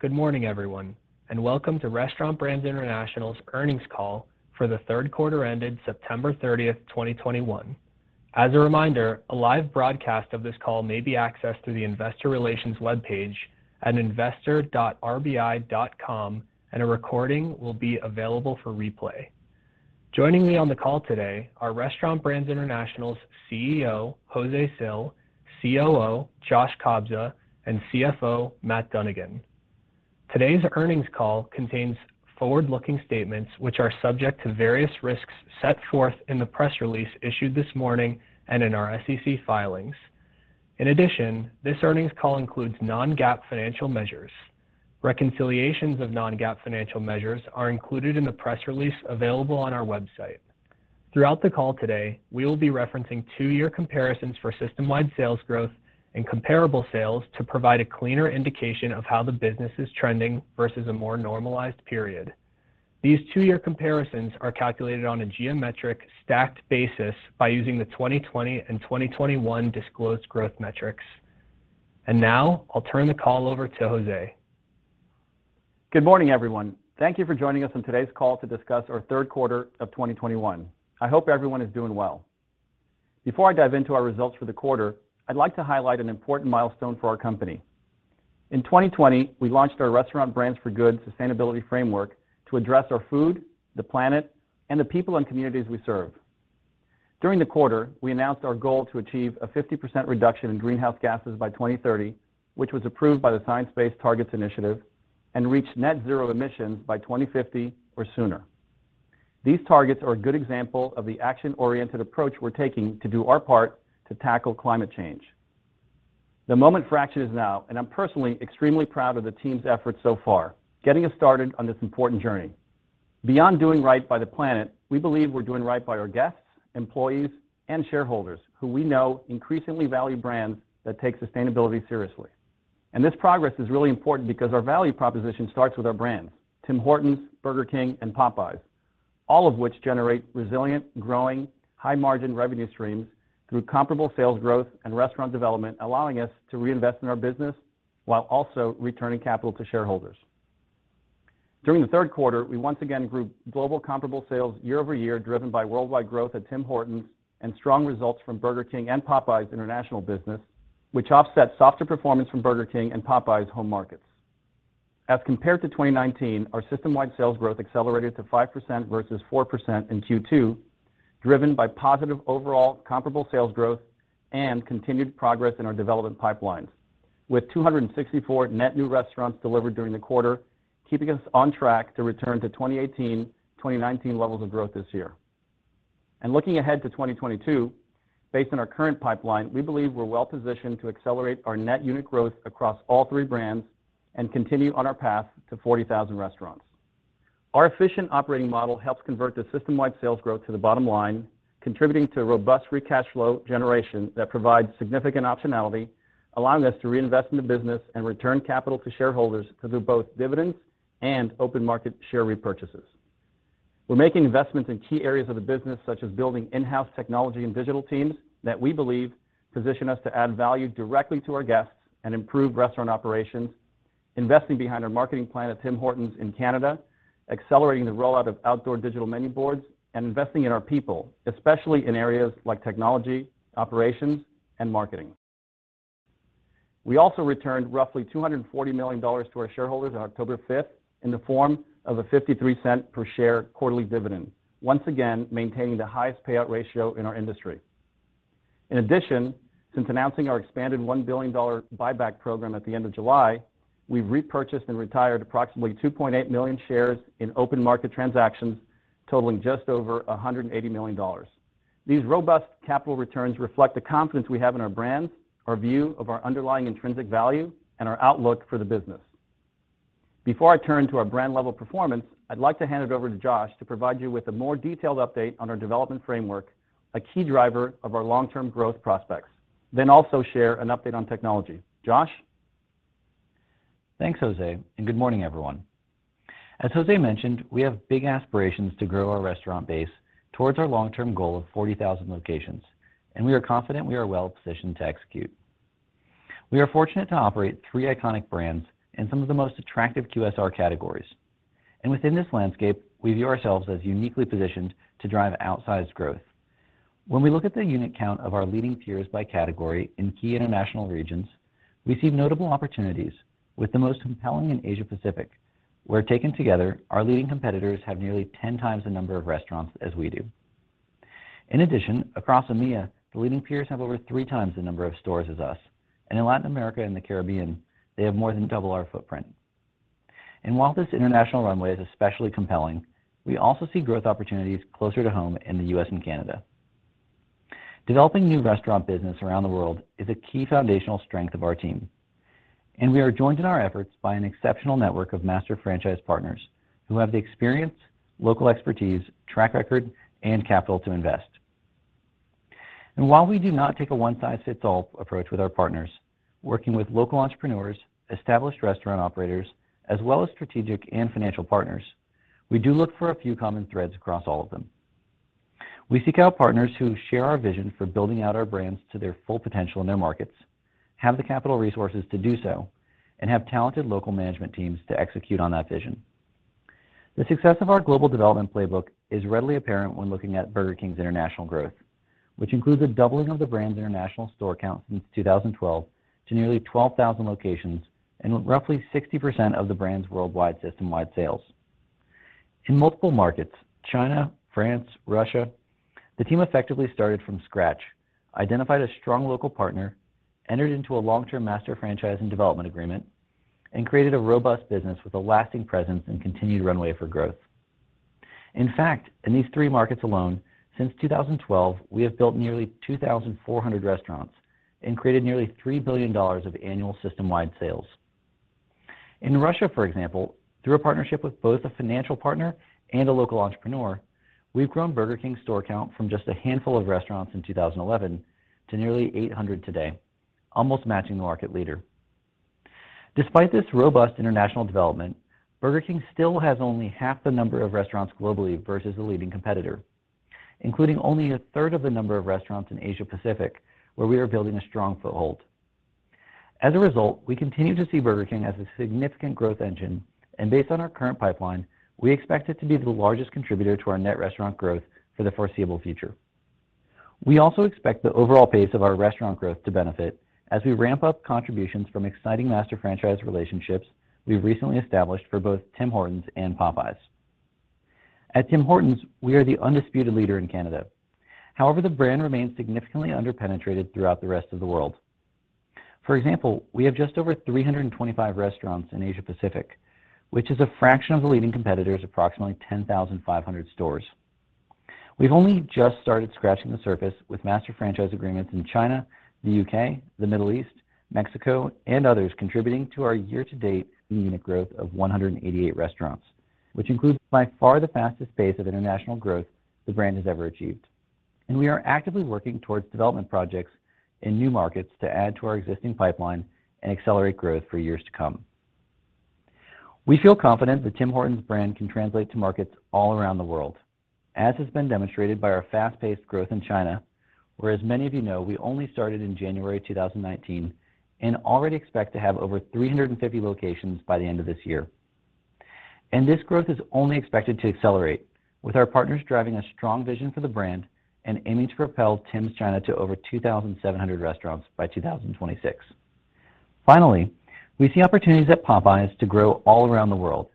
Good morning, everyone, and welcome to Restaurant Brands International's earnings call for the third quarter ended September 30, 2021. As a reminder, a live broadcast of this call may be accessed through the Investor Relations webpage at investor.rbi.com, and a recording will be available for replay. Joining me on the call today are Restaurant Brands International's CEO, José Cil, COO, Josh Kobza, and CFO, Matt Dunnigan. Today's earnings call contains forward-looking statements which are subject to various risks set forth in the press release issued this morning and in our SEC filings. In addition, this earnings call includes non-GAAP financial measures. Reconciliations of non-GAAP financial measures are included in the press release available on our website. Throughout the call today, we will be referencing two-year comparisons for system-wide sales growth and comparable sales to provide a cleaner indication of how the business is trending versus a more normalized period. These two-year comparisons are calculated on a geometric stacked basis by using the 2020 and 2021 disclosed growth metrics. Now I'll turn the call over to José. Good morning, everyone. Thank you for joining us on today's call to discuss our third quarter of 2021. I hope everyone is doing well. Before I dive into our results for the quarter, I'd like to highlight an important milestone for our company. In 2020, we launched our Restaurant Brands for Good sustainability framework to address our food, the planet, and the people and communities we serve. During the quarter, we announced our goal to achieve a 50% reduction in greenhouse gases by 2030, which was approved by the Science Based Targets initiative, and reach net zero emissions by 2050 or sooner. These targets are a good example of the action-oriented approach we're taking to do our part to tackle climate change. The moment for action is now, and I'm personally extremely proud of the team's efforts so far, getting us started on this important journey. Beyond doing right by the planet, we believe we're doing right by our guests, employees, and shareholders, who we know increasingly value brands that take sustainability seriously. This progress is really important because our value proposition starts with our brands, Tim Hortons, Burger King, and Popeyes, all of which generate resilient, growing, high-margin revenue streams through comparable sales growth and restaurant development, allowing us to reinvest in our business while also returning capital to shareholders. During the third quarter, we once again grew global comparable sales year-over-year, driven by worldwide growth at Tim Hortons and strong results from Burger King and Popeyes' international business, which offset softer performance from Burger King and Popeyes' home markets. As compared to 2019, our system-wide sales growth accelerated to 5% versus 4% in Q2, driven by positive overall comparable sales growth and continued progress in our development pipelines, with 264 net new restaurants delivered during the quarter, keeping us on track to return to 2018, 2019 levels of growth this year. Looking ahead to 2022, based on our current pipeline, we believe we're well positioned to accelerate our net unit growth across all three brands and continue on our path to 40,000 restaurants. Our efficient operating model helps convert the system-wide sales growth to the bottom line, contributing to robust free cash flow generation that provides significant optionality, allowing us to reinvest in the business and return capital to shareholders through both dividends and open market share repurchases. We're making investments in key areas of the business, such as building in-house technology and digital teams that we believe position us to add value directly to our guests and improve restaurant operations, investing behind our marketing plan at Tim Hortons in Canada, accelerating the rollout of outdoor digital menu boards, and investing in our people, especially in areas like technology, operations, and marketing. We also returned roughly $240 million to our shareholders on October 5th in the form of a $0.53 per share quarterly dividend, once again maintaining the highest payout ratio in our industry. In addition, since announcing our expanded $1 billion buyback program at the end of July, we've repurchased and retired approximately 2.8 million shares in open market transactions totaling just over $180 million. These robust capital returns reflect the confidence we have in our brands, our view of our underlying intrinsic value, and our outlook for the business. Before I turn to our brand level performance, I'd like to hand it over to Josh to provide you with a more detailed update on our development framework, a key driver of our long-term growth prospects, then also share an update on technology. Josh? Thanks, José, and good morning, everyone. As José mentioned, we have big aspirations to grow our restaurant base towards our long-term goal of 40,000 locations, and we are confident we are well positioned to execute. We are fortunate to operate three iconic brands in some of the most attractive QSR categories. Within this landscape, we view ourselves as uniquely positioned to drive outsized growth. When we look at the unit count of our leading peers by category in key international regions, we see notable opportunities, with the most compelling in Asia Pacific, where taken together, our leading competitors have nearly 10x the number of restaurants as we do. In addition, across EMEA, the leading peers have over 3x the number of stores as us. In Latin America and the Caribbean, they have more than double our footprint. While this international runway is especially compelling, we also see growth opportunities closer to home in the U.S. and Canada. Developing new restaurant business around the world is a key foundational strength of our team, and we are joined in our efforts by an exceptional network of master franchise partners who have the experience, local expertise, track record, and capital to invest. While we do not take a one-size-fits-all approach with our partners, working with local entrepreneurs, established restaurant operators, as well as strategic and financial partners, we do look for a few common threads across all of them. We seek out partners who share our vision for building out our brands to their full potential in their markets, have the capital resources to do so, and have talented local management teams to execute on that vision. The success of our global development playbook is readily apparent when looking at Burger King's international growth, which includes a doubling of the brand's international store count since 2012 to nearly 12,000 locations and roughly 60% of the brand's worldwide system-wide sales. In multiple markets, China, France, Russia, the team effectively started from scratch, identified a strong local partner, entered into a long-term master franchise and development agreement, and created a robust business with a lasting presence and continued runway for growth. In fact, in these three markets alone, since 2012, we have built nearly 2,400 restaurants and created nearly $3 billion of annual system-wide sales. In Russia, for example, through a partnership with both a financial partner and a local entrepreneur, we've grown Burger King's store count from just a handful of restaurants in 2011 to nearly 800 today, almost matching the market leader. Despite this robust international development, Burger King still has only half the number of restaurants globally versus the leading competitor, including only a third of the number of restaurants in Asia-Pacific, where we are building a strong foothold. As a result, we continue to see Burger King as a significant growth engine, and based on our current pipeline, we expect it to be the largest contributor to our net restaurant growth for the foreseeable future. We also expect the overall pace of our restaurant growth to benefit as we ramp up contributions from exciting master franchise relationships we've recently established for both Tim Hortons and Popeyes. At Tim Hortons, we are the undisputed leader in Canada. However, the brand remains significantly under-penetrated throughout the rest of the world. For example, we have just over 325 restaurants in Asia-Pacific, which is a fraction of the leading competitor's approximately 10,500 stores. We've only just started scratching the surface with master franchise agreements in China, the U.K., the Middle East, Mexico, and others contributing to our year-to-date unit growth of 188 restaurants, which includes by far the fastest pace of international growth the brand has ever achieved. We are actively working towards development projects in new markets to add to our existing pipeline and accelerate growth for years to come. We feel confident the Tim Hortons brand can translate to markets all around the world, as has been demonstrated by our fast-paced growth in China, where as many of you know, we only started in January 2019 and already expect to have over 350 locations by the end of this year. This growth is only expected to accelerate, with our partners driving a strong vision for the brand and aiming to propel Tims China to over 2,700 restaurants by 2026. Finally, we see opportunities at Popeyes to grow all around the world,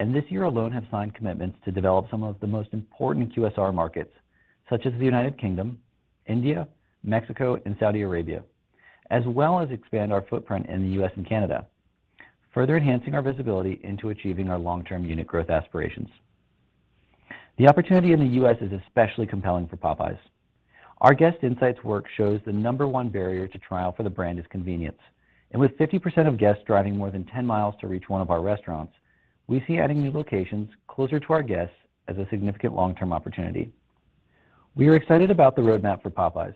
and this year alone have signed commitments to develop some of the most important QSR markets, such as the U.K., India, Mexico, and Saudi Arabia, as well as expand our footprint in the U.S. and Canada, further enhancing our visibility into achieving our long-term unit growth aspirations. The opportunity in the U.S. is especially compelling for Popeyes. Our guest insights work shows the number one barrier to trial for the brand is convenience. With 50% of guests driving more than 10 mi to reach one of our restaurants, we see adding new locations closer to our guests as a significant long-term opportunity. We are excited about the roadmap for Popeyes,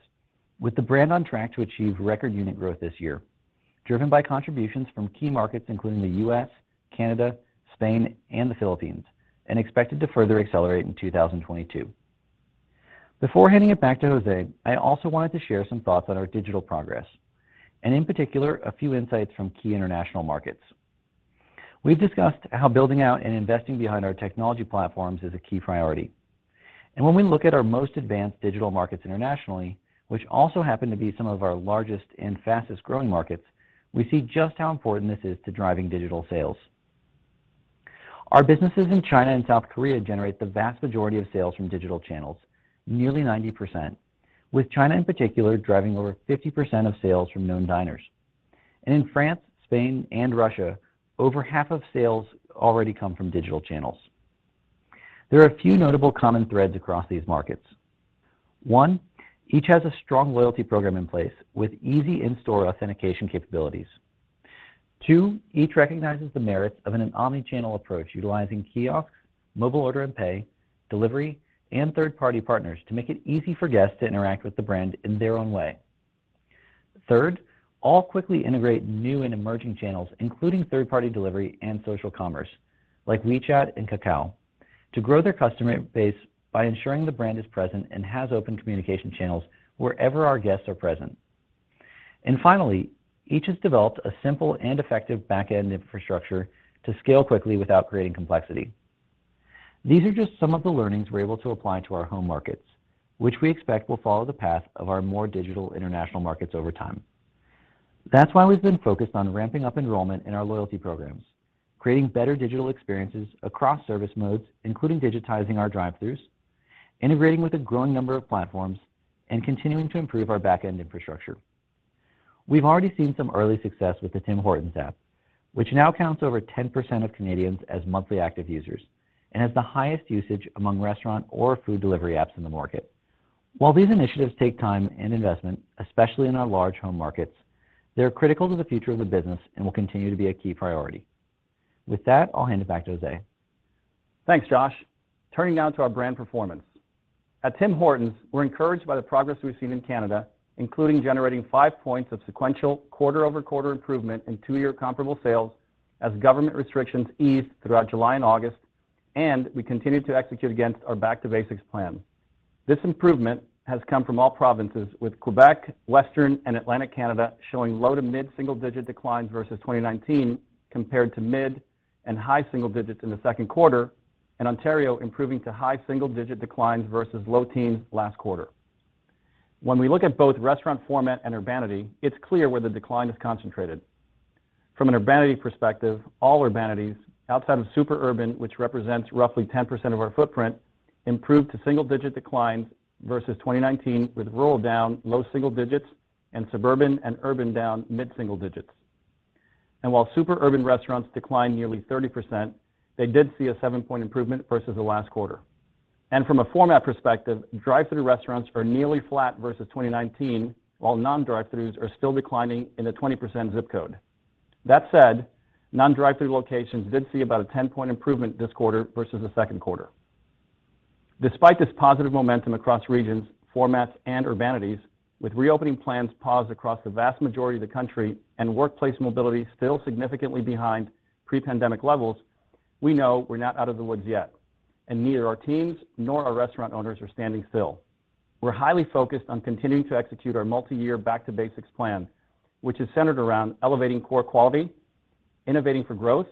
with the brand on track to achieve record unit growth this year, driven by contributions from key markets including the U.S., Canada, Spain, and the Philippines, and expected to further accelerate in 2022. Before handing it back to José, I also wanted to share some thoughts on our digital progress, and in particular, a few insights from key international markets. We've discussed how building out and investing behind our technology platforms is a key priority. When we look at our most advanced digital markets internationally, which also happen to be some of our largest and fastest-growing markets, we see just how important this is to driving digital sales. Our businesses in China and South Korea generate the vast majority of sales from digital channels, nearly 90%, with China in particular driving over 50% of sales from known diners. In France, Spain, and Russia, over half of sales already come from digital channels. There are a few notable common threads across these markets. One, each has a strong loyalty program in place with easy in-store authentication capabilities. Two, each recognizes the merits of an omnichannel approach utilizing kiosks, mobile order and pay, delivery, and third-party partners to make it easy for guests to interact with the brand in their own way. Third, all quickly integrate new and emerging channels, including third-party delivery and social commerce, like WeChat and Kakao, to grow their customer base by ensuring the brand is present and has open communication channels wherever our guests are present. Finally, each has developed a simple and effective backend infrastructure to scale quickly without creating complexity. These are just some of the learnings we're able to apply to our home markets, which we expect will follow the path of our more digital international markets over time. That's why we've been focused on ramping up enrollment in our loyalty programs, creating better digital experiences across service modes, including digitizing our drive-throughs, integrating with a growing number of platforms, and continuing to improve our backend infrastructure. We've already seen some early success with the Tim Hortons app, which now counts over 10% of Canadians as monthly active users and has the highest usage among restaurant or food delivery apps in the market. While these initiatives take time and investment, especially in our large home markets, they're critical to the future of the business and will continue to be a key priority. With that, I'll hand it back to José. Thanks, Josh. Turning now to our brand performance. At Tim Hortons, we're encouraged by the progress we've seen in Canada, including generating five points of sequential quarter-over-quarter improvement in two-year comparable sales as government restrictions eased throughout July and August, and we continued to execute against our Back to Basics plan. This improvement has come from all provinces, with Quebec, Western, and Atlantic Canada showing low to mid-single-digit declines versus 2019, compared to mid and high single digits in the second quarter, and Ontario improving to high single-digit declines versus low teens last quarter. When we look at both restaurant format and urbanity, it's clear where the decline is concentrated. From an urbanity perspective, all urbanities outside of super urban, which represents roughly 10% of our footprint, improved to single-digit declines versus 2019, with rural down low single digits and suburban and urban down mid-single digits. While super urban restaurants declined nearly 30%, they did see a seven-point improvement versus the last quarter. From a format perspective, drive-thru restaurants are nearly flat versus 2019, while non-drive-thrus are still declining in a 20% ZIP code. That said, non-drive-thru locations did see about a 10-point improvement this quarter versus the second quarter. Despite this positive momentum across regions, formats, and urbanities, with reopening plans paused across the vast majority of the country and workplace mobility still significantly behind pre-pandemic levels, we know we're not out of the woods yet, and neither our teams nor our restaurant owners are standing still. We're highly focused on continuing to execute our multi-year Back to Basics plan, which is centered around elevating core quality, innovating for growth,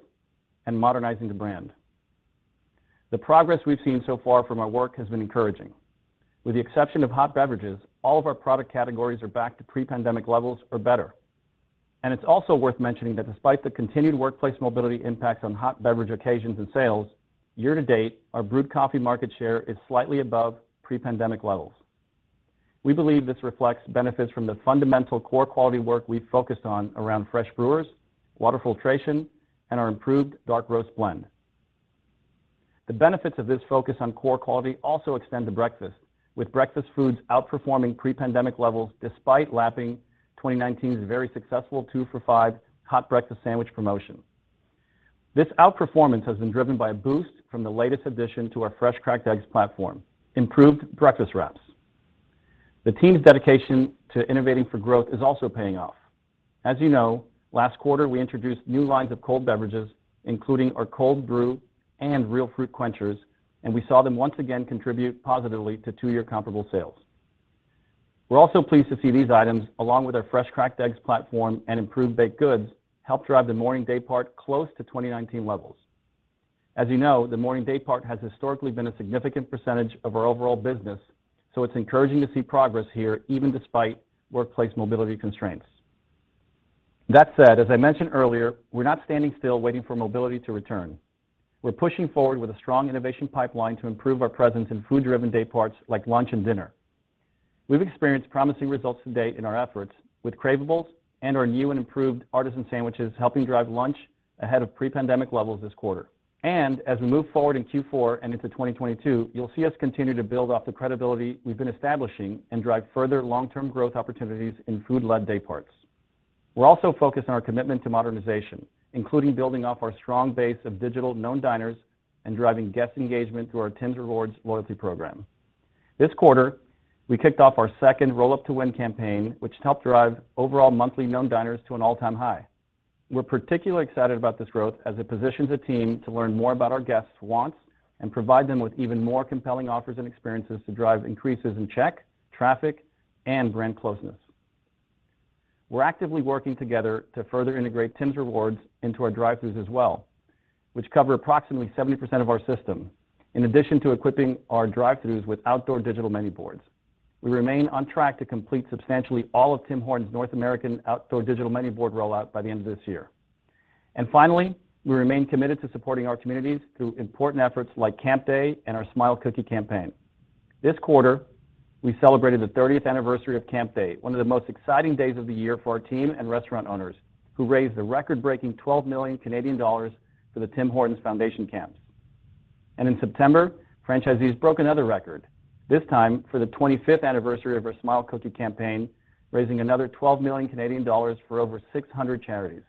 and modernizing the brand. The progress we've seen so far from our work has been encouraging. With the exception of hot beverages, all of our product categories are back to pre-pandemic levels or better. It's also worth mentioning that despite the continued workplace mobility impacts on hot beverage occasions and sales, year to date, our brewed coffee market share is slightly above pre-pandemic levels. We believe this reflects benefits from the fundamental core quality work we focused on around fresh brewers, water filtration, and our improved dark roast blend. The benefits of this focus on core quality also extend to breakfast, with breakfast foods outperforming pre-pandemic levels despite lapping 2019's very successful two-for-five hot breakfast sandwich promotion. This outperformance has been driven by a boost from the latest addition to our fresh cracked eggs platform, improved breakfast wraps. The team's dedication to innovating for growth is also paying off. As you know, last quarter we introduced new lines of cold beverages, including our Cold Brew and Real Fruit Quenchers. We saw them once again contribute positively to two-year comparable sales. We're also pleased to see these items, along with our fresh cracked eggs platform and improved baked goods, help drive the morning daypart close to 2019 levels. As you know, the morning daypart has historically been a significant percentage of our overall business, so it's encouraging to see progress here even despite workplace mobility constraints. That said, as I mentioned earlier, we're not standing still waiting for mobility to return. We're pushing forward with a strong innovation pipeline to improve our presence in food-driven dayparts like lunch and dinner. We've experienced promising results to date in our efforts with Cravables and our new and improved artisan sandwiches helping drive lunch ahead of pre-pandemic levels this quarter. As we move forward in Q4 and into 2022, you'll see us continue to build off the credibility we've been establishing and drive further long-term growth opportunities in food-led dayparts. We're also focused on our commitment to modernization, including building off our strong base of digital known diners and driving guest engagement through our Tims Rewards loyalty program. This quarter, we kicked off our second Roll Up to Win campaign, which helped drive overall monthly known diners to an all-time high. We're particularly excited about this growth as it positions a team to learn more about our guests' wants and provide them with even more compelling offers and experiences to drive increases in check, traffic, and brand closeness. We're actively working together to further integrate Tims Rewards into our drive-thrus as well, which cover approximately 70% of our system, in addition to equipping our drive-thrus with outdoor digital menu boards. We remain on track to complete substantially all of Tim Hortons' North American outdoor digital menu board rollout by the end of this year. Finally, we remain committed to supporting our communities through important efforts like Camp Day and our Smile Cookie campaign. This quarter, we celebrated the 30th anniversary of Camp Day, one of the most exciting days of the year for our team and restaurant owners, who raised the record-breaking 12 million Canadian dollars for the Tim Hortons Foundation camps. In September, franchisees broke another record, this time for the 25th anniversary of our Smile Cookie campaign, raising another 12 million Canadian dollars for over 600 charities.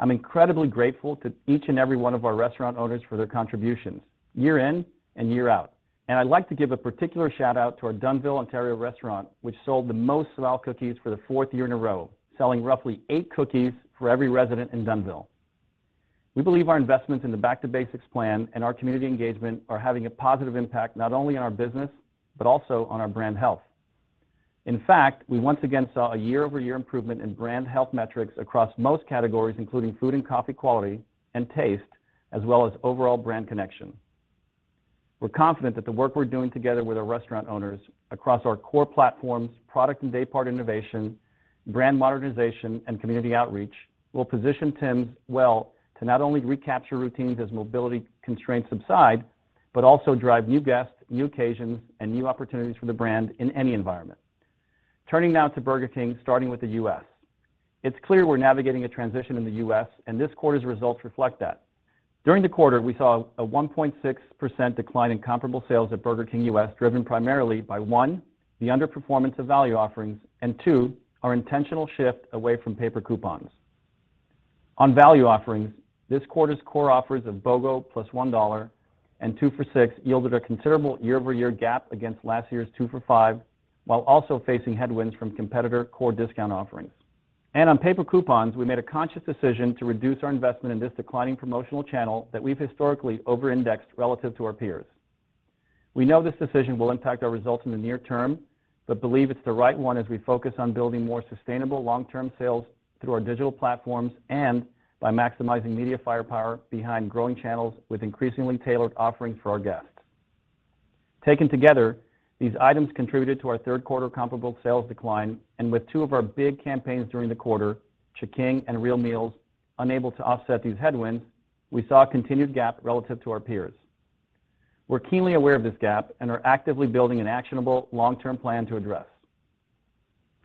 I'm incredibly grateful to each and every one of our restaurant owners for their contributions year in and year out, and I'd like to give a particular shout-out to our Dunnville, Ontario restaurant, which sold the most Smile Cookies for the fourth year in a row, selling roughly eight cookies for every resident in Dunnville. We believe our investments in the Back to Basics plan and our community engagement are having a positive impact not only on our business but also on our brand health. In fact, we once again saw a year-over-year improvement in brand health metrics across most categories, including food and coffee quality and taste, as well as overall brand connection. We're confident that the work we're doing together with our restaurant owners across our core platforms, product and daypart innovation, brand modernization, and community outreach will position Tim's well to not only recapture routines as mobility constraints subside but also drive new guests, new occasions, and new opportunities for the brand in any environment. Turning now to Burger King, starting with the U.S. It's clear we're navigating a transition in the U.S. This quarter's results reflect that. During the quarter, we saw a 1.6% decline in comparable sales at Burger King U.S., driven primarily by, one, the underperformance of value offerings, and two, our intentional shift away from paper coupons. On value offerings, this quarter's core offers of BOGO +$1-and two for $6 yielded a considerable year-over-year gap against last year's two for $5, while also facing headwinds from competitor core discount offerings. On paper coupons, we made a conscious decision to reduce our investment in this declining promotional channel that we've historically over-indexed relative to our peers. We know this decision will impact our results in the near term, but believe it's the right one as we focus on building more sustainable long-term sales through our digital platforms and by maximizing media firepower behind growing channels with increasingly tailored offerings for our guests. Taken together, these items contributed to our third quarter comparable sales decline, and with two of our big campaigns during the quarter, Ch'King and Keep It Real Meals, unable to offset these headwinds, we saw a continued gap relative to our peers. We're keenly aware of this gap and are actively building an actionable long-term plan to address.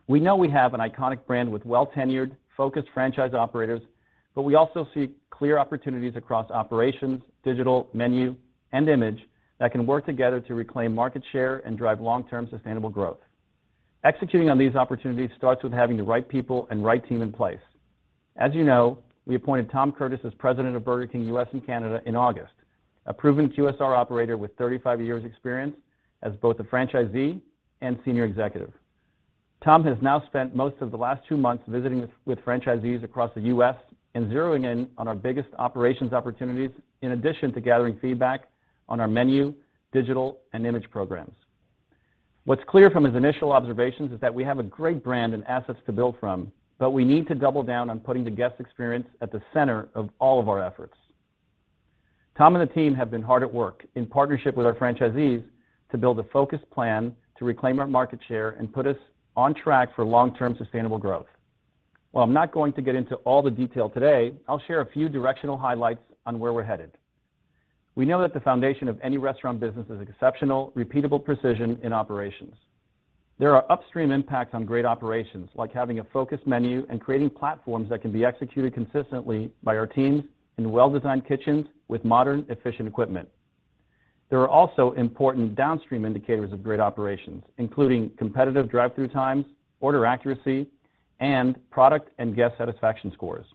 We know we have an iconic brand with well tenured focused franchise operators, but we also see clear opportunities across operations, digital, menu, and image that can work together to reclaim market share and drive long-term sustainable growth. Executing on these opportunities starts with having the right people and right team in place. As you know, we appointed Tom Curtis as president of Burger King U.S. and Canada in August, a proven QSR operator with 35 years experience as both a franchisee and senior executive. Tom has now spent most of the last two months visiting with franchisees across the U.S. and zeroing in on our biggest operations opportunities, in addition to gathering feedback on our menu, digital, and image programs. What's clear from his initial observations is that we have a great brand and assets to build from, but we need to double down on putting the guest experience at the center of all of our efforts. Tom and the team have been hard at work in partnership with our franchisees to build a focused plan to reclaim our market share and put us on track for long-term sustainable growth. While I'm not going to get into all the detail today, I'll share a few directional highlights on where we're headed. We know that the foundation of any restaurant business is exceptional, repeatable precision in operations. There are upstream impacts on great operations, like having a focused menu and creating platforms that can be executed consistently by our teams in well-designed kitchens with modern, efficient equipment. There are also important downstream indicators of great operations, including competitive drive-thru times, order accuracy, and product and guest satisfaction scores.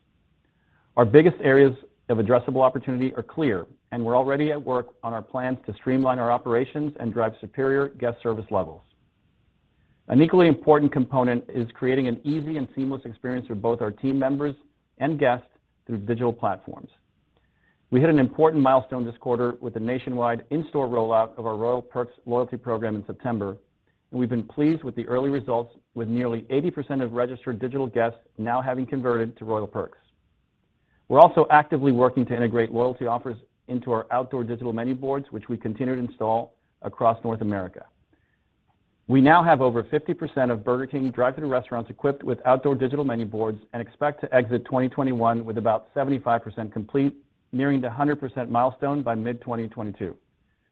Our biggest areas of addressable opportunity are clear, and we're already at work on our plans to streamline our operations and drive superior guest service levels. An equally important component is creating an easy and seamless experience for both our team members and guests through digital platforms. We hit an important milestone this quarter with a nationwide in-store rollout of our Royal Perks loyalty program in September, and we've been pleased with the early results, with nearly 80% of registered digital guests now having converted to Royal Perks. We're also actively working to integrate loyalty offers into our outdoor digital menu boards, which we continue to install across North America. We now have over 50% of Burger King drive-thru restaurants equipped with outdoor digital menu boards, and expect to exit 2021 with about 75% complete, nearing the 100% milestone by mid-2022.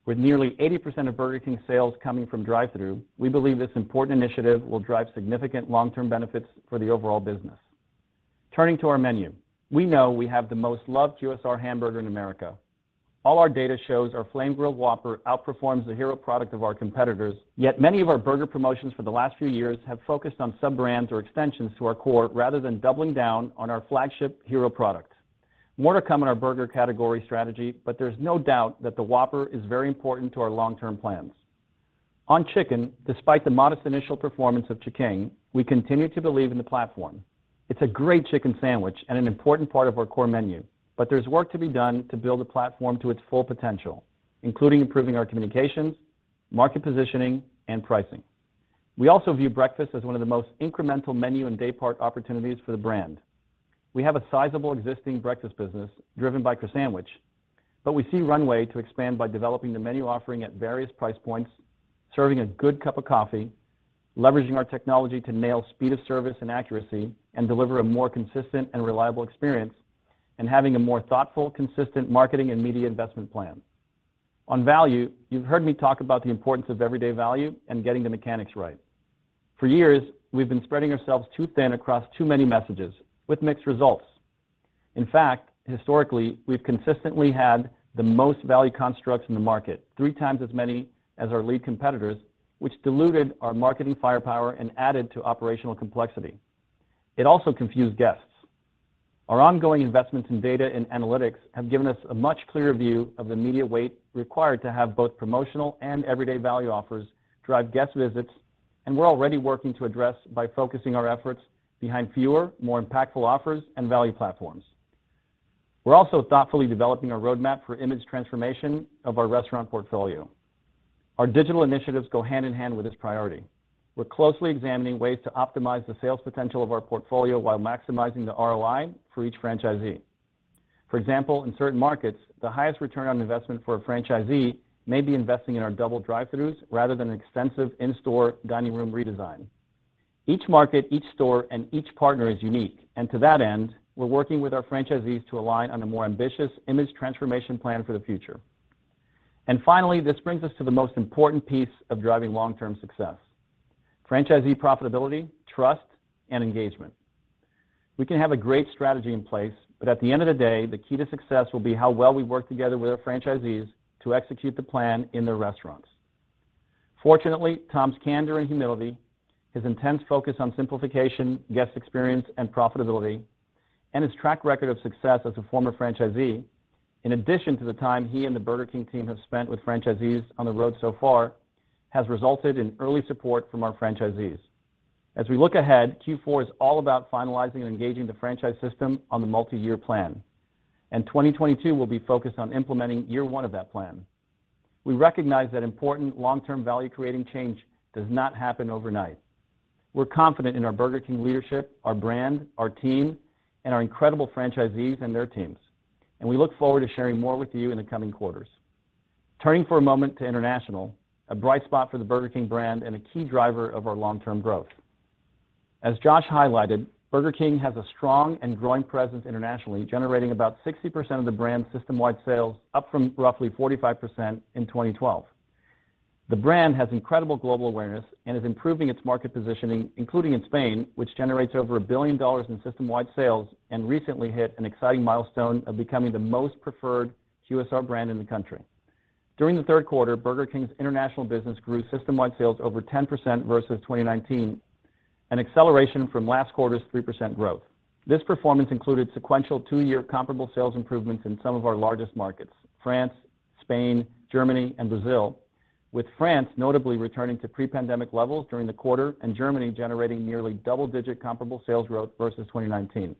With nearly 80% of Burger King sales coming from drive-thru, we believe this important initiative will drive significant long-term benefits for the overall business. Turning to our menu. We know we have the most loved QSR hamburger in America. All our data shows our flame-grilled Whopper outperforms the hero product of our competitors, yet many of our burger promotions for the last few years have focused on sub-brands or extensions to our core rather than doubling down on our flagship hero product. More to come on our burger category strategy. There's no doubt that the Whopper is very important to our long-term plans. On chicken, despite the modest initial performance of Ch'King, we continue to believe in the platform. It's a great chicken sandwich and an important part of our core menu, but there's work to be done to build a platform to its full potential, including improving our communications, market positioning, and pricing. We also view breakfast as one of the most incremental menu and daypart opportunities for the brand. We have a sizable existing breakfast business driven by Croissan'wich, but we see runway to expand by developing the menu offering at various price points, serving a good cup of coffee, leveraging our technology to nail speed of service and accuracy, and deliver a more consistent and reliable experience, and having a more thoughtful, consistent marketing and media investment plan. On value, you've heard me talk about the importance of everyday value and getting the mechanics right. For years, we've been spreading ourselves too thin across too many messages with mixed results. In fact, historically, we've consistently had the most value constructs in the market, 3x as many as our lead competitors, which diluted our marketing firepower and added to operational complexity. It also confused guests. Our ongoing investments in data and analytics have given us a much clearer view of the media weight required to have both promotional and everyday value offers drive guest visits. We're already working to address by focusing our efforts behind fewer, more impactful offers and value platforms. We're also thoughtfully developing a roadmap for image transformation of our restaurant portfolio. Our digital initiatives go hand in hand with this priority. We're closely examining ways to optimize the sales potential of our portfolio while maximizing the ROI for each franchisee. For example, in certain markets, the highest return on investment for a franchisee may be investing in our double drive-thrus rather than an extensive in-store dining room redesign. Each market, each store, and each partner is unique, and to that end, we're working with our franchisees to align on a more ambitious image transformation plan for the future. Finally, this brings us to the most important piece of driving long-term success, franchisee profitability, trust, and engagement. We can have a great strategy in place, but at the end of the day, the key to success will be how well we work together with our franchisees to execute the plan in their restaurants. Fortunately, Tom's candor and humility, his intense focus on simplification, guest experience, and profitability, and his track record of success as a former franchisee, in addition to the time he and the Burger King team have spent with franchisees on the road so far, has resulted in early support from our franchisees. As we look ahead, Q4 is all about finalizing and engaging the franchise system on the multi-year plan, and 2022 will be focused on implementing year one of that plan. We recognize that important long-term value creating change does not happen overnight. We're confident in our Burger King leadership, our brand, our team, and our incredible franchisees and their teams, and we look forward to sharing more with you in the coming quarters. Turning for a moment to international, a bright spot for the Burger King brand and a key driver of our long-term growth. As Josh highlighted, Burger King has a strong and growing presence internationally, generating about 60% of the brand's system-wide sales, up from roughly 45% in 2012. The brand has incredible global awareness and is improving its market positioning, including in Spain, which generates over $1 billion in system-wide sales and recently hit an exciting milestone of becoming the most preferred QSR brand in the country. During the third quarter, Burger King's international business grew system-wide sales over 10% versus 2019, an acceleration from last quarter's 3% growth. This performance included sequential two-year comparable sales improvements in some of our largest markets, France, Spain, Germany, and Brazil, with France notably returning to pre-pandemic levels during the quarter, and Germany generating nearly double-digit comparable sales growth versus 2019.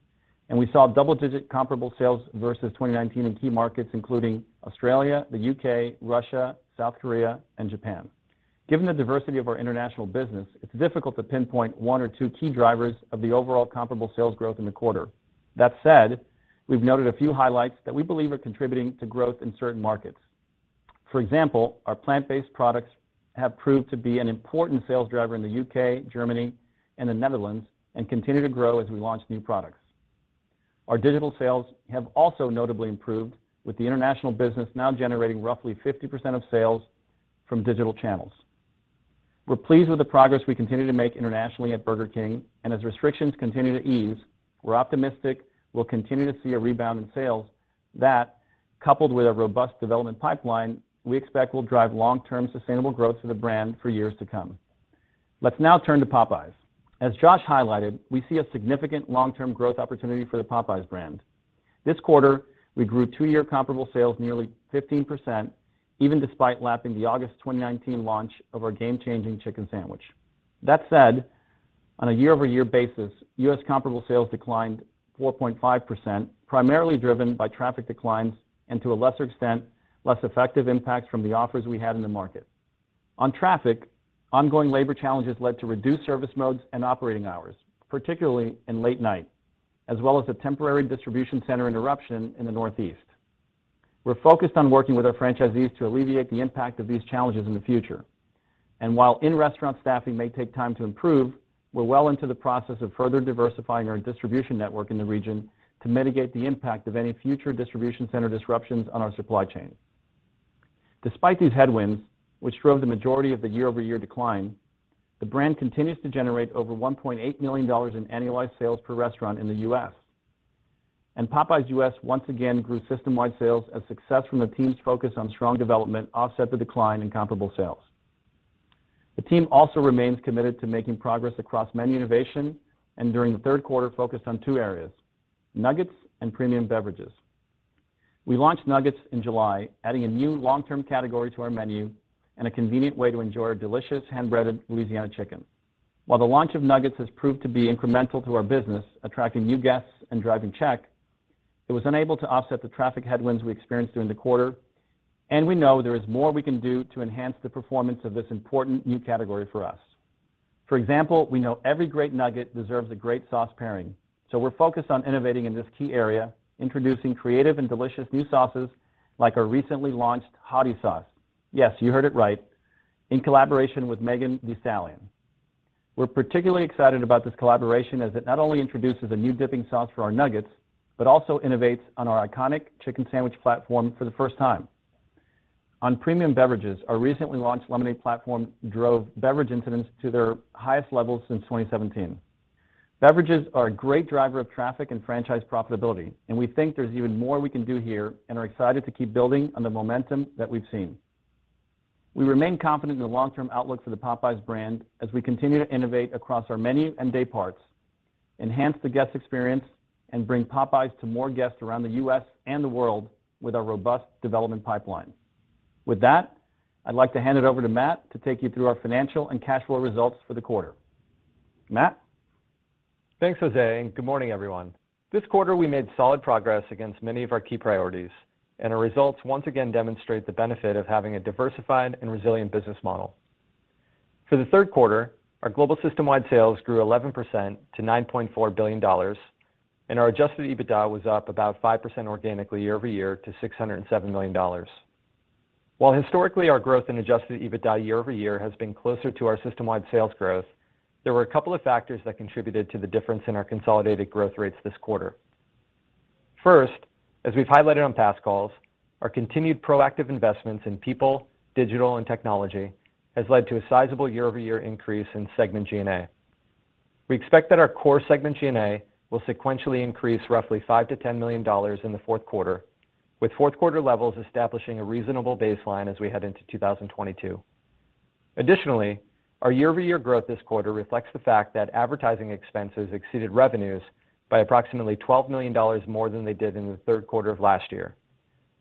We saw double-digit comparable sales versus 2019 in key markets including Australia, the U.K., Russia, South Korea, and Japan. Given the diversity of our international business, it's difficult to pinpoint one or two key drivers of the overall comparable sales growth in the quarter. That said, we've noted a few highlights that we believe are contributing to growth in certain markets. For example, our plant-based products have proved to be an important sales driver in the U.K., Germany, and the Netherlands, and continue to grow as we launch new products. Our digital sales have also notably improved with the international business now generating roughly 50% of sales from digital channels. We're pleased with the progress we continue to make internationally at Burger King, and as restrictions continue to ease, we're optimistic we'll continue to see a rebound in sales that, coupled with a robust development pipeline, we expect will drive long-term sustainable growth for the brand for years to come. Let's now turn to Popeyes. As Josh highlighted, we see a significant long-term growth opportunity for the Popeyes brand. This quarter, we grew two-year comparable sales nearly 15%, even despite lapping the August 2019 launch of our game-changing chicken sandwich. That said, on a year-over-year basis, U.S. comparable sales declined 4.5%, primarily driven by traffic declines, and to a lesser extent, less effective impact from the offers we had in the market. On traffic, ongoing labor challenges led to reduced service modes and operating hours, particularly in late night, as well as a temporary distribution center interruption in the Northeast. We're focused on working with our franchisees to alleviate the impact of these challenges in the future. While in-restaurant staffing may take time to improve, we're well into the process of further diversifying our distribution network in the region to mitigate the impact of any future distribution center disruptions on our supply chain. Despite these headwinds, which drove the majority of the year-over-year decline, the brand continues to generate over $1.8 million in annualized sales per restaurant in the U.S. Popeyes U.S. once again grew system-wide sales as success from the team's focus on strong development offset the decline in comparable sales. The team also remains committed to making progress across menu innovation, and during the third quarter, focused on two areas, nuggets and premium beverages. We launched nuggets in July, adding a new long-term category to our menu and a convenient way to enjoy our delicious hand-breaded Louisiana chicken. While the launch of nuggets has proved to be incremental to our business, attracting new guests and driving check, it was unable to offset the traffic headwinds we experienced during the quarter, and we know there is more we can do to enhance the performance of this important new category for us. For example, we know every great nugget deserves a great sauce pairing, so we're focused on innovating in this key area, introducing creative and delicious new sauces like our recently launched Hottie Sauce, yes, you heard it right, in collaboration with Megan Thee Stallion. We're particularly excited about this collaboration as it not only introduces a new dipping sauce for our nuggets, but also innovates on our iconic chicken sandwich platform for the first time. On premium beverages, our recently launched lemonade platform drove beverage incidents to their highest levels since 2017. Beverages are a great driver of traffic and franchise profitability, and we think there's even more we can do here and are excited to keep building on the momentum that we've seen. We remain confident in the long-term outlook for the Popeyes brand as we continue to innovate across our menu and dayparts, enhance the guest experience, and bring Popeyes to more guests around the U.S. and the world with our robust development pipeline. With that, I'd like to hand it over to Matt to take you through our financial and cash flow results for the quarter. Matt? Thanks, José Cil, and good morning, everyone. This quarter, we made solid progress against many of our key priorities, and our results once again demonstrate the benefit of having a diversified and resilient business model. For the third quarter, our global system-wide sales grew 11% to $9.4 billion, and our adjusted EBITDA was up about 5% organically year-over-year to $607 million. While historically our growth in adjusted EBITDA year-over-year has been closer to our system-wide sales growth, there were a couple of factors that contributed to the difference in our consolidated growth rates this quarter. First, as we've highlighted on past calls, our continued proactive investments in people, digital, and technology has led to a sizable year-over-year increase in segment G&A. We expect that our core segment G&A will sequentially increase roughly $5 million-$10 million in the fourth quarter, with fourth quarter levels establishing a reasonable baseline as we head into 2022. Additionally, our year-over-year growth this quarter reflects the fact that advertising expenses exceeded revenues by approximately $12 million more than they did in the third quarter of last year,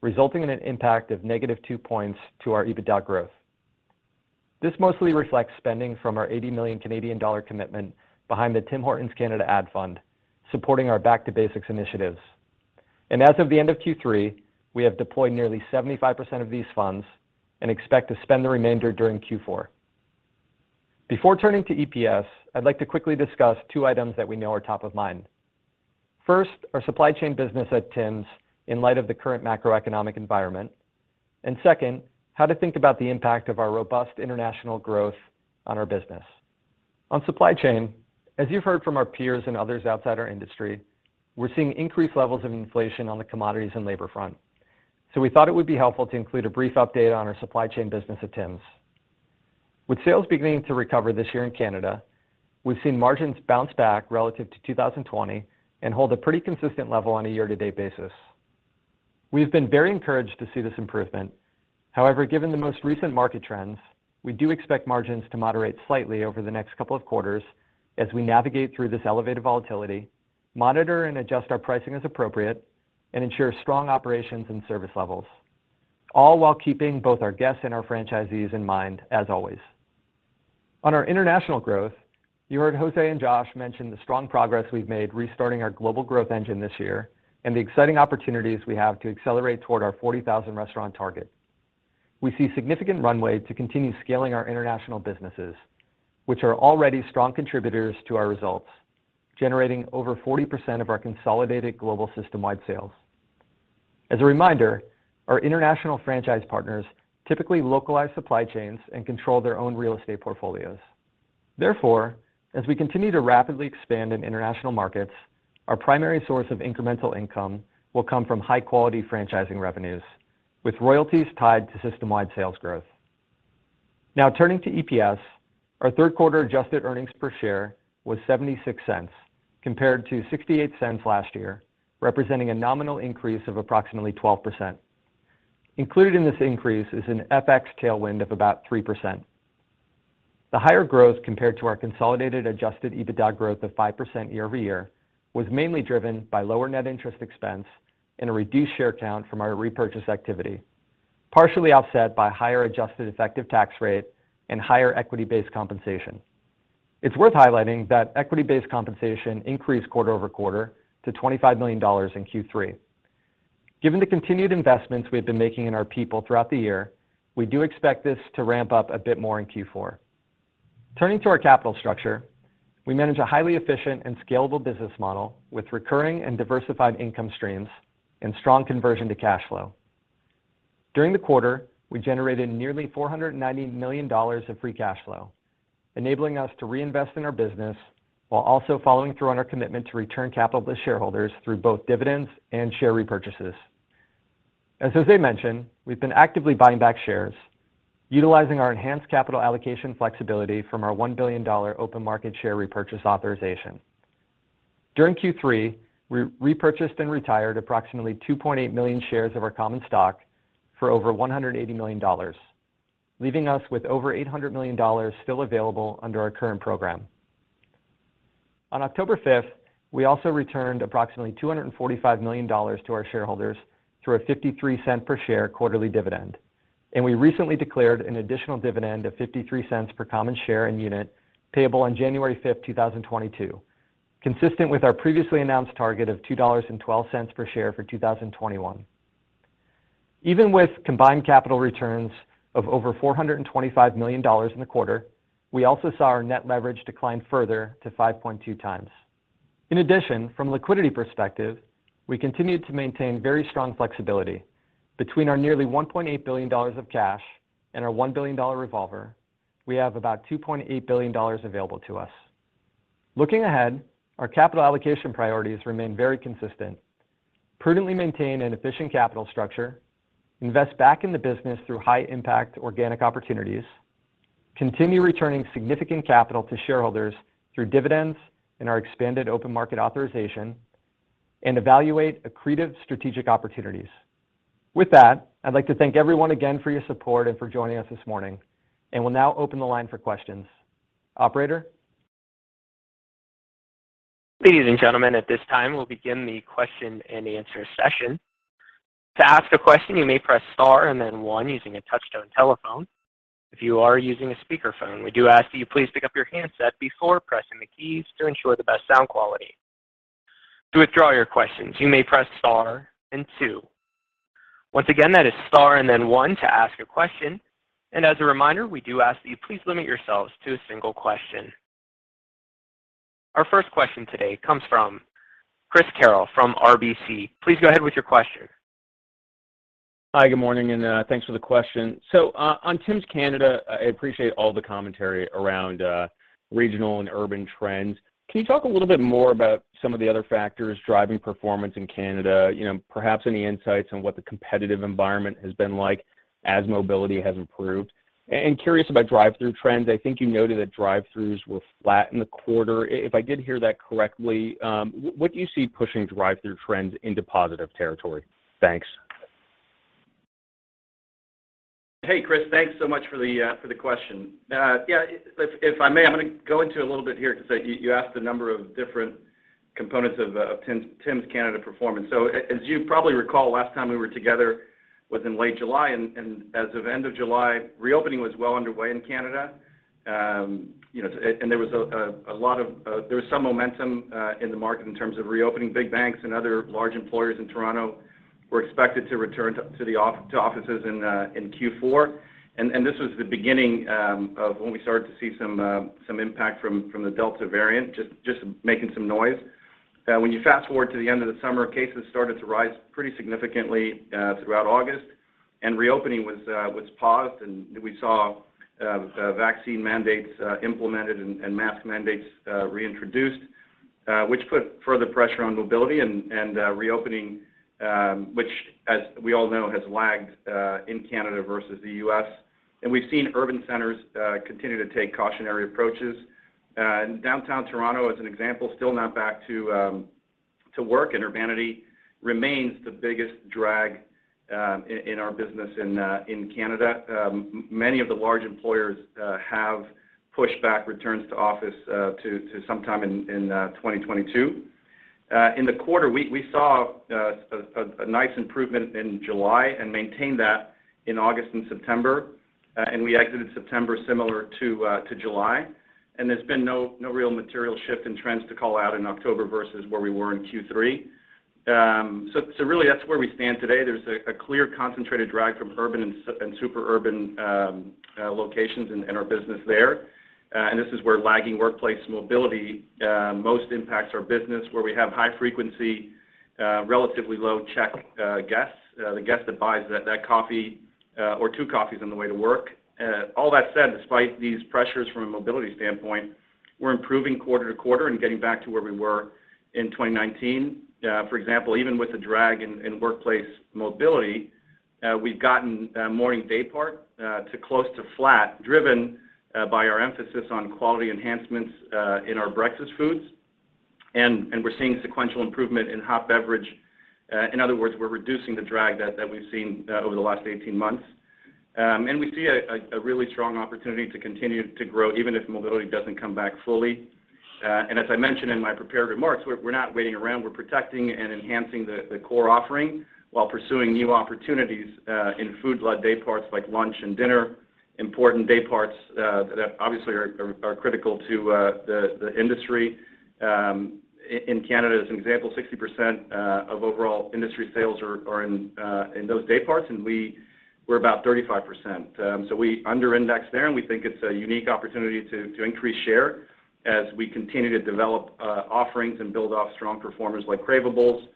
resulting in an impact of negative two points to our EBITDA growth. This mostly reflects spending from our 80 million Canadian dollar commitment behind the Tim Hortons Canada ad fund, supporting our back to basics initiatives. As of the end of Q3, we have deployed nearly 75% of these funds and expect to spend the remainder during Q4. Before turning to EPS, I'd like to quickly discuss two items that we know are top of mind. First, our supply chain business at Tim's in light of the current macroeconomic environment. Second, how to think about the impact of our robust international growth on our business. On supply chain, as you've heard from our peers and others outside our industry, we're seeing increased levels of inflation on the commodities and labor front. We thought it would be helpful to include a brief update on our supply chain business at Tim's. With sales beginning to recover this year in Canada, we've seen margins bounce back relative to 2020 and hold a pretty consistent level on a year-to-date basis. We've been very encouraged to see this improvement. Given the most recent market trends, we do expect margins to moderate slightly over the next couple of quarters as we navigate through this elevated volatility, monitor and adjust our pricing as appropriate, and ensure strong operations and service levels, all while keeping both our guests and our franchisees in mind as always. On our international growth, you heard José and Josh mention the strong progress we've made restarting our global growth engine this year and the exciting opportunities we have to accelerate toward our 40,000 restaurant target. We see significant runway to continue scaling our international businesses, which are already strong contributors to our results, generating over 40% of our consolidated global systemwide sales. As a reminder, our international franchise partners typically localize supply chains and control their own real estate portfolios. Therefore, as we continue to rapidly expand in international markets, our primary source of incremental income will come from high-quality franchising revenues with royalties tied to systemwide sales growth. Now, turning to EPS, our third quarter adjusted earnings per share was $0.76 compared to $0.68 last year, representing a nominal increase of approximately 12%. Included in this increase is an FX tailwind of about 3%. The higher growth compared to our consolidated adjusted EBITDA growth of 5% year-over-year, was mainly driven by lower net interest expense and a reduced share count from our repurchase activity, partially offset by higher adjusted effective tax rate and higher equity-based compensation. It's worth highlighting that equity-based compensation increased quarter-over-quarter to $25 million in Q3. Given the continued investments we have been making in our people throughout the year, we do expect this to ramp up a bit more in Q4. Turning to our capital structure, we manage a highly efficient and scalable business model with recurring and diversified income streams and strong conversion to cash flow. During the quarter, we generated nearly $490 million of free cash flow, enabling us to reinvest in our business while also following through on our commitment to return capital to shareholders through both dividends and share repurchases. As José mentioned, we've been actively buying back shares, utilizing our enhanced capital allocation flexibility from our $1 billion open market share repurchase authorization. During Q3, we repurchased and retired approximately 2.8 million shares of our common stock for over $180 million, leaving us with over $800 million still available under our current program. On October 5th, we also returned approximately $245 million to our shareholders through a $0.53 per share quarterly dividend. We recently declared an additional dividend of $0.53 per common share and unit payable on January 5th, 2022, consistent with our previously announced target of $2.12 per share for 2021. Even with combined capital returns of over $425 million in the quarter, we also saw our net leverage decline further to 5.2x. In addition, from liquidity perspective, we continued to maintain very strong flexibility between our nearly $1.8 billion of cash and our $1 billion revolver, we have about $2.8 billion available to us. Looking ahead, our capital allocation priorities remain very consistent. Prudently maintain an efficient capital structure, invest back in the business through high impact organic opportunities, continue returning significant capital to shareholders through dividends in our expanded open market authorization, and evaluate accretive strategic opportunities. With that, I'd like to thank everyone again for your support and for joining us this morning. We'll now open the line for questions. Operator? Ladies and gentlemen, at this time, we will begin the question and answer session. To ask a question, you may press star and then one using a touchtone telephone. If you are using a speakerphone, we do ask that you please pick up your handset before pressing the keys to ensure the best sound quality. To withdraw your questions, you may press star and two. Once again, that is star and then one to ask a question, and as a reminder, we do ask that you please limit yourselves to a single question. Our first question today comes from Chris Carril from RBC. Please go ahead with your question. Hi, good morning, and thanks for the question. On Tim Hortons Canada, I appreciate all the commentary around regional and urban trends. Can you talk a little bit more about some of the other factors driving performance in Canada? Perhaps any insights on what the competitive environment has been like as mobility has improved? Curious about drive-thru trends. I think you noted that drive-thrus were flat in the quarter. If I did hear that correctly, what do you see pushing drive-thru trends into positive territory? Thanks. Hey, Chris. Thanks so much for the question. Yeah. If I may, I'm going to go into a little bit here because you asked a number of different components of Tim's Canada performance. As you probably recall, last time we were together was in late July, and as of end of July, reopening was well underway in Canada. There was some momentum in the market in terms of reopening. Big banks and other large employers in Toronto were expected to return to offices in Q4. This was the beginning of when we started to see some impact from the Delta variant, just making some noise. When you fast-forward to the end of the summer, cases started to rise pretty significantly throughout August, and reopening was paused, and we saw vaccine mandates implemented and mask mandates reintroduced, which put further pressure on mobility and reopening, which, as we all know, has lagged in Canada versus the U.S. We've seen urban centers continue to take cautionary approaches. Downtown Toronto, as an example, still not back to work, and urbanity remains the biggest drag in our business in Canada. Many of the large employers have pushed back returns to office to sometime in 2022. In the quarter, we saw a nice improvement in July and maintained that in August and September, and we exited September similar to July. There's been no real material shift in trends to call out in October versus where we were in Q3. Really, that's where we stand today. There's a clear, concentrated drag from urban and super urban locations in our business there. This is where lagging workplace mobility most impacts our business, where we have high frequency, relatively low check guests, the guest that buys that coffee or two coffees on the way to work. All that said, despite these pressures from a mobility standpoint, we're improving quarter-over-quarter and getting back to where we were in 2019. For example, even with the drag in workplace mobility, we've gotten morning daypart to close to flat, driven by our emphasis on quality enhancements in our breakfast foods. We're seeing sequential improvement in hot beverage. In other words, we're reducing the drag that we've seen over the last 18 months. We see a really strong opportunity to continue to grow, even if mobility doesn't come back fully. As I mentioned in my prepared remarks, we're not waiting around. We're protecting and enhancing the core offering while pursuing new opportunities in food-led dayparts like lunch and dinner, important dayparts that obviously are critical to the industry. In Canada, as an example, 60% of overall industry sales are in those dayparts, and we're about 35%. We under-index there, and we think it's a unique opportunity to increase share as we continue to develop offerings and build off strong performers like Cravables.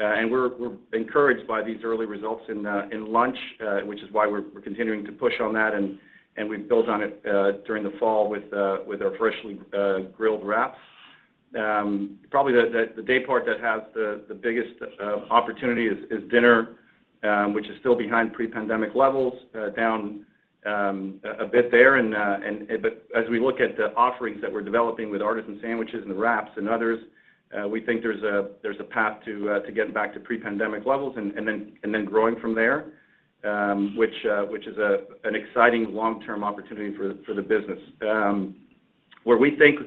We're encouraged by these early results in lunch, which is why we're continuing to push on that, and we've built on it during the fall with our freshly grilled wraps. Probably the daypart that has the biggest opportunity is dinner, which is still behind pre-pandemic levels, down a bit there. As we look at the offerings that we're developing with artisan sandwiches and the wraps and others, we think there's a path to getting back to pre-pandemic levels and then growing from there, which is an exciting long-term opportunity for the business. Where we think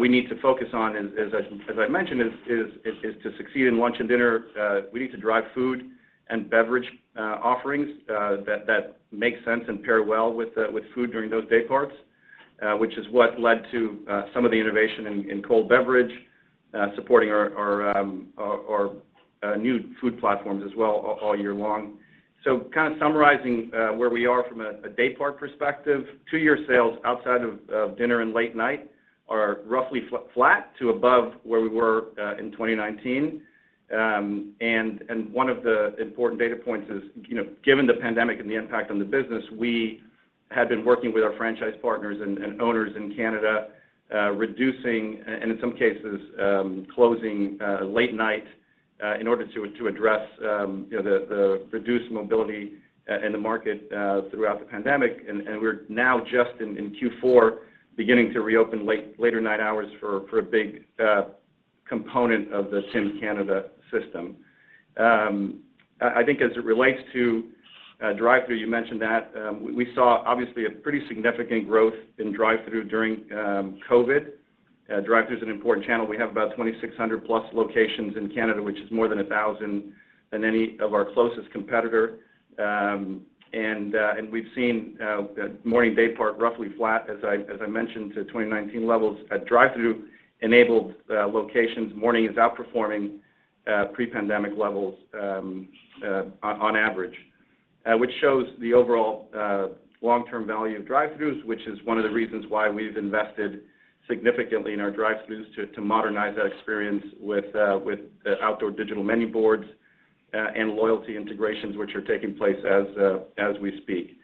we need to focus on, as I mentioned, is to succeed in lunch and dinner. We need to drive food and beverage offerings that make sense and pair well with food during those dayparts, which is what led to some of the innovation in cold beverage, supporting our new food platforms as well all year long. Summarizing where we are from a daypart perspective, two-year sales outside of dinner and late night are roughly flat to above where we were in 2019. One of the important data points is, given the pandemic and the impact on the business, we had been working with our franchise partners and owners in Canada, reducing, and in some cases, closing late night in order to address the reduced mobility in the market throughout the pandemic. We're now just in Q4, beginning to reopen later night hours for a big component of the Tim Canada system. I think as it relates to drive-thru, you mentioned that, we saw obviously a pretty significant growth in drive-thru during COVID. Drive-thru is an important channel. We have about 2,600+ locations in Canada, which is more than 1,000 than any of our closest competitor. We've seen morning daypart roughly flat, as I mentioned, to 2019 levels. At drive-thru enabled locations, morning is outperforming pre-pandemic levels on average, which shows the overall long-term value of drive-throughs, which is one of the reasons why we've invested significantly in our drive-throughs to modernize that experience with outdoor digital menu boards and loyalty integrations, which are taking place as we speak.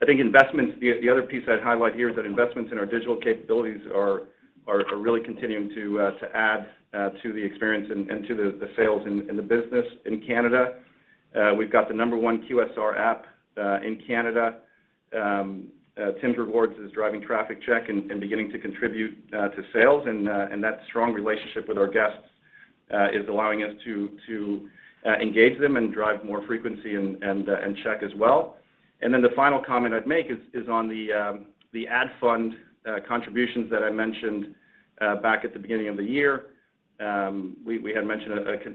I think investments, the other piece I'd highlight here is that investments in our digital capabilities are really continuing to add to the experience and to the sales in the business in Canada. We've got the number one QSR app in Canada. Tims Rewards is driving traffic check and beginning to contribute to sales, and that strong relationship with our guests is allowing us to engage them and drive more frequency and check as well. The final comment I'd make is on the ad fund contributions that I mentioned back at the beginning of the year. We had mentioned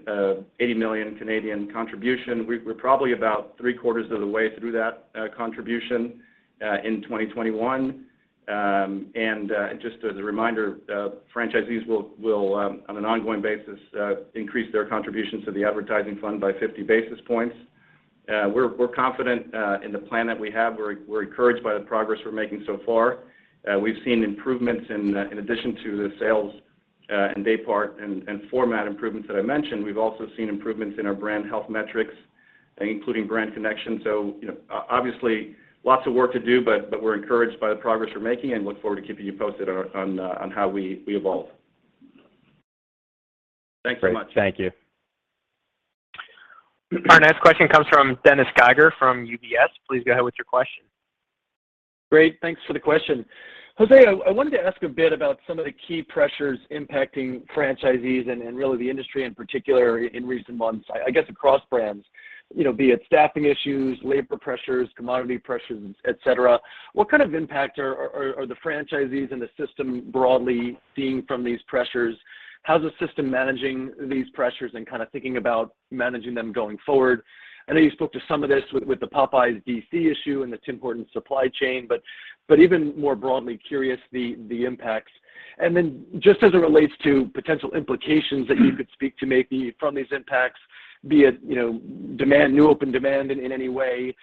a 80 million contribution. We're probably about three quarters of the way through that contribution in 2021. Just as a reminder, franchisees will, on an ongoing basis, increase their contributions to the advertising fund by 50 basis points. We're confident in the plan that we have. We're encouraged by the progress we're making so far. We've seen improvements in addition to the sales in daypart and format improvements that I mentioned. We've also seen improvements in our brand health metrics, including brand connection. Obviously, lots of work to do, but we're encouraged by the progress we're making and look forward to keeping you posted on how we evolve. Thanks so much. Great. Thank you. Our next question comes from Dennis Geiger from UBS. Please go ahead with your question. Great. Thanks for the question. José, I wanted to ask a bit about some of the key pressures impacting franchisees and really the industry in particular in recent months, I guess, across brands. Be it staffing issues, labor pressures, commodity pressures, etc. What kind of impact are the franchisees and the system broadly seeing from these pressures? How is the system managing these pressures and thinking about managing them going forward? I know you spoke to some of this with the Popeyes DC issue and the Tim Hortons supply chain, but even more broadly curious, the impacts. Just as it relates to potential implications that you could speak to maybe from these impacts, be it new open demand in any way,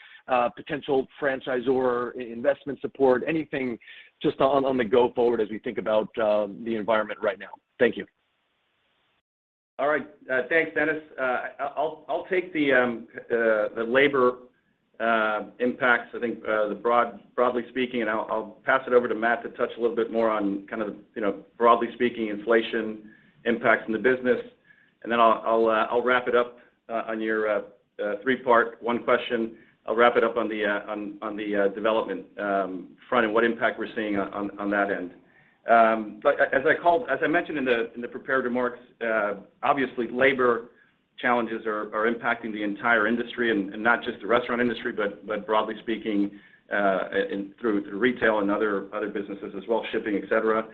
potential franchisor investment support, anything just on the go forward as we think about the environment right now. Thank you. All right. Thanks, Dennis. I'll take the labor impacts, I think, broadly speaking, and I'll pass it over to Matt to touch a little bit more on kind of broadly speaking, inflation impacts in the business. I'll wrap it up on your three-part one question. I'll wrap it up on the development front and what impact we're seeing on that end. As I mentioned in the prepared remarks, obviously labor challenges are impacting the entire industry and not just the restaurant industry, but broadly speaking through retail and other businesses as well, shipping, etc.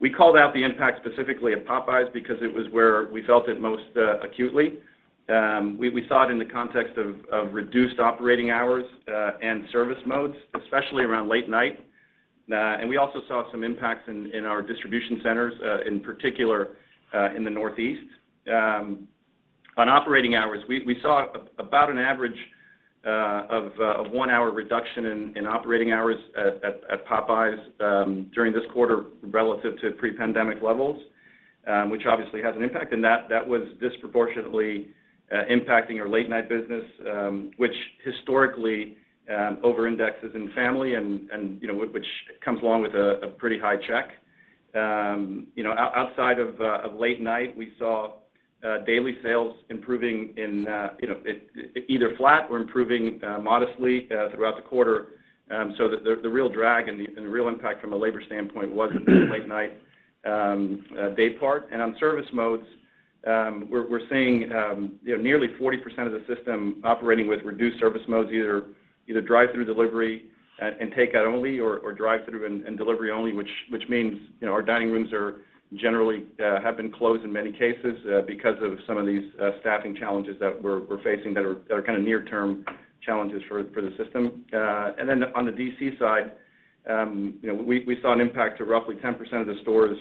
We called out the impact specifically at Popeyes because it was where we felt it most acutely. We saw it in the context of reduced operating hours, and service modes, especially around late night. We also saw some impacts in our distribution centers, in particular, in the Northeast. On operating hours, we saw about an average of a one-hour reduction in operating hours at Popeyes during this quarter relative to pre-pandemic levels, which obviously has an impact. That was disproportionately impacting our late-night business, which historically over-indexes in family and which comes along with a pretty high check. Outside of late night, we saw daily sales either flat or improving modestly throughout the quarter. The real drag and the real impact from a labor standpoint was in late night daypart. On service modes, we're seeing nearly 40% of the system operating with reduced service modes, either drive-through delivery and takeout only, or drive-through and delivery only, which means our dining rooms generally have been closed in many cases because of some of these staffing challenges that we're facing that are near-term challenges for the system. On the DC side, we saw an impact to roughly 10% of the stores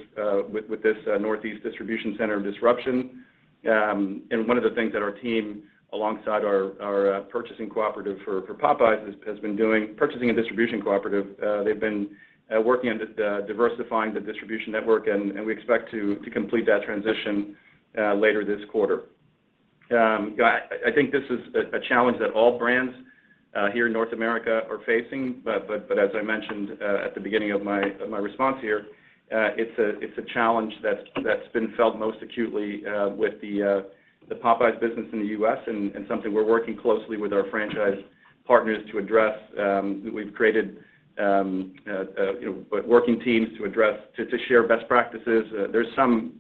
with this Northeast distribution center disruption. One of the things that our team, alongside our purchasing cooperative for Popeyes, has been doing, purchasing and distribution cooperative, they've been working on diversifying the distribution network, and we expect to complete that transition later this quarter. This is a challenge that all brands here in North America are facing, but as I mentioned at the beginning of my response here, it's a challenge that's been felt most acutely with the Popeyes business in the U.S. and something we're working closely with our franchise partners to address. We've created working teams to share best practices. There are some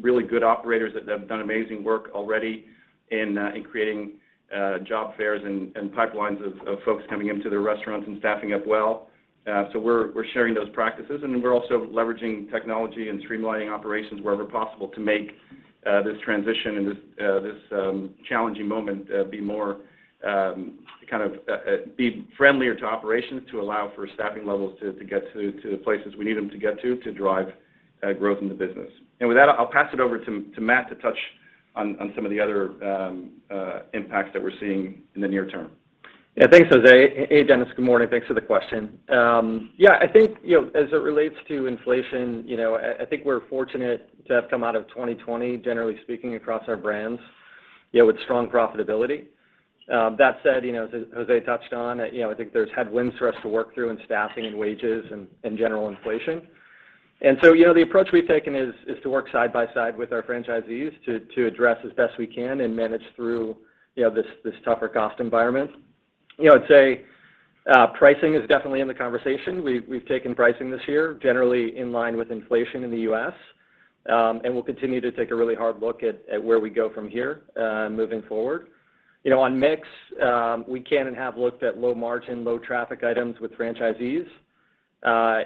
really good operators that have done amazing work already in creating job fairs and pipelines of folks coming into their restaurants and staffing up well. We're sharing those practices, and we're also leveraging technology and streamlining operations wherever possible to make this transition and this challenging moment be friendlier to operations to allow for staffing levels to get to the places we need them to get to drive growth in the business. With that, I'll pass it over to Matt to touch on some of the other impacts that we're seeing in the near term. Thanks, José. Hey, Dennis. Good morning. Thanks for the question. I think, as it relates to inflation, I think we're fortunate to have come out of 2020, generally speaking, across our brands, with strong profitability. That said, as José touched on, I think there's headwinds for us to work through in staffing and wages and in general inflation. The approach we've taken is to work side by side with our franchisees to address as best we can and manage through this tougher cost environment. I'd say pricing is definitely in the conversation. We've taken pricing this year, generally in line with inflation in the U.S., and we'll continue to take a really hard look at where we go from here, moving forward. On mix, we can and have looked at low margin, low traffic items with franchisees.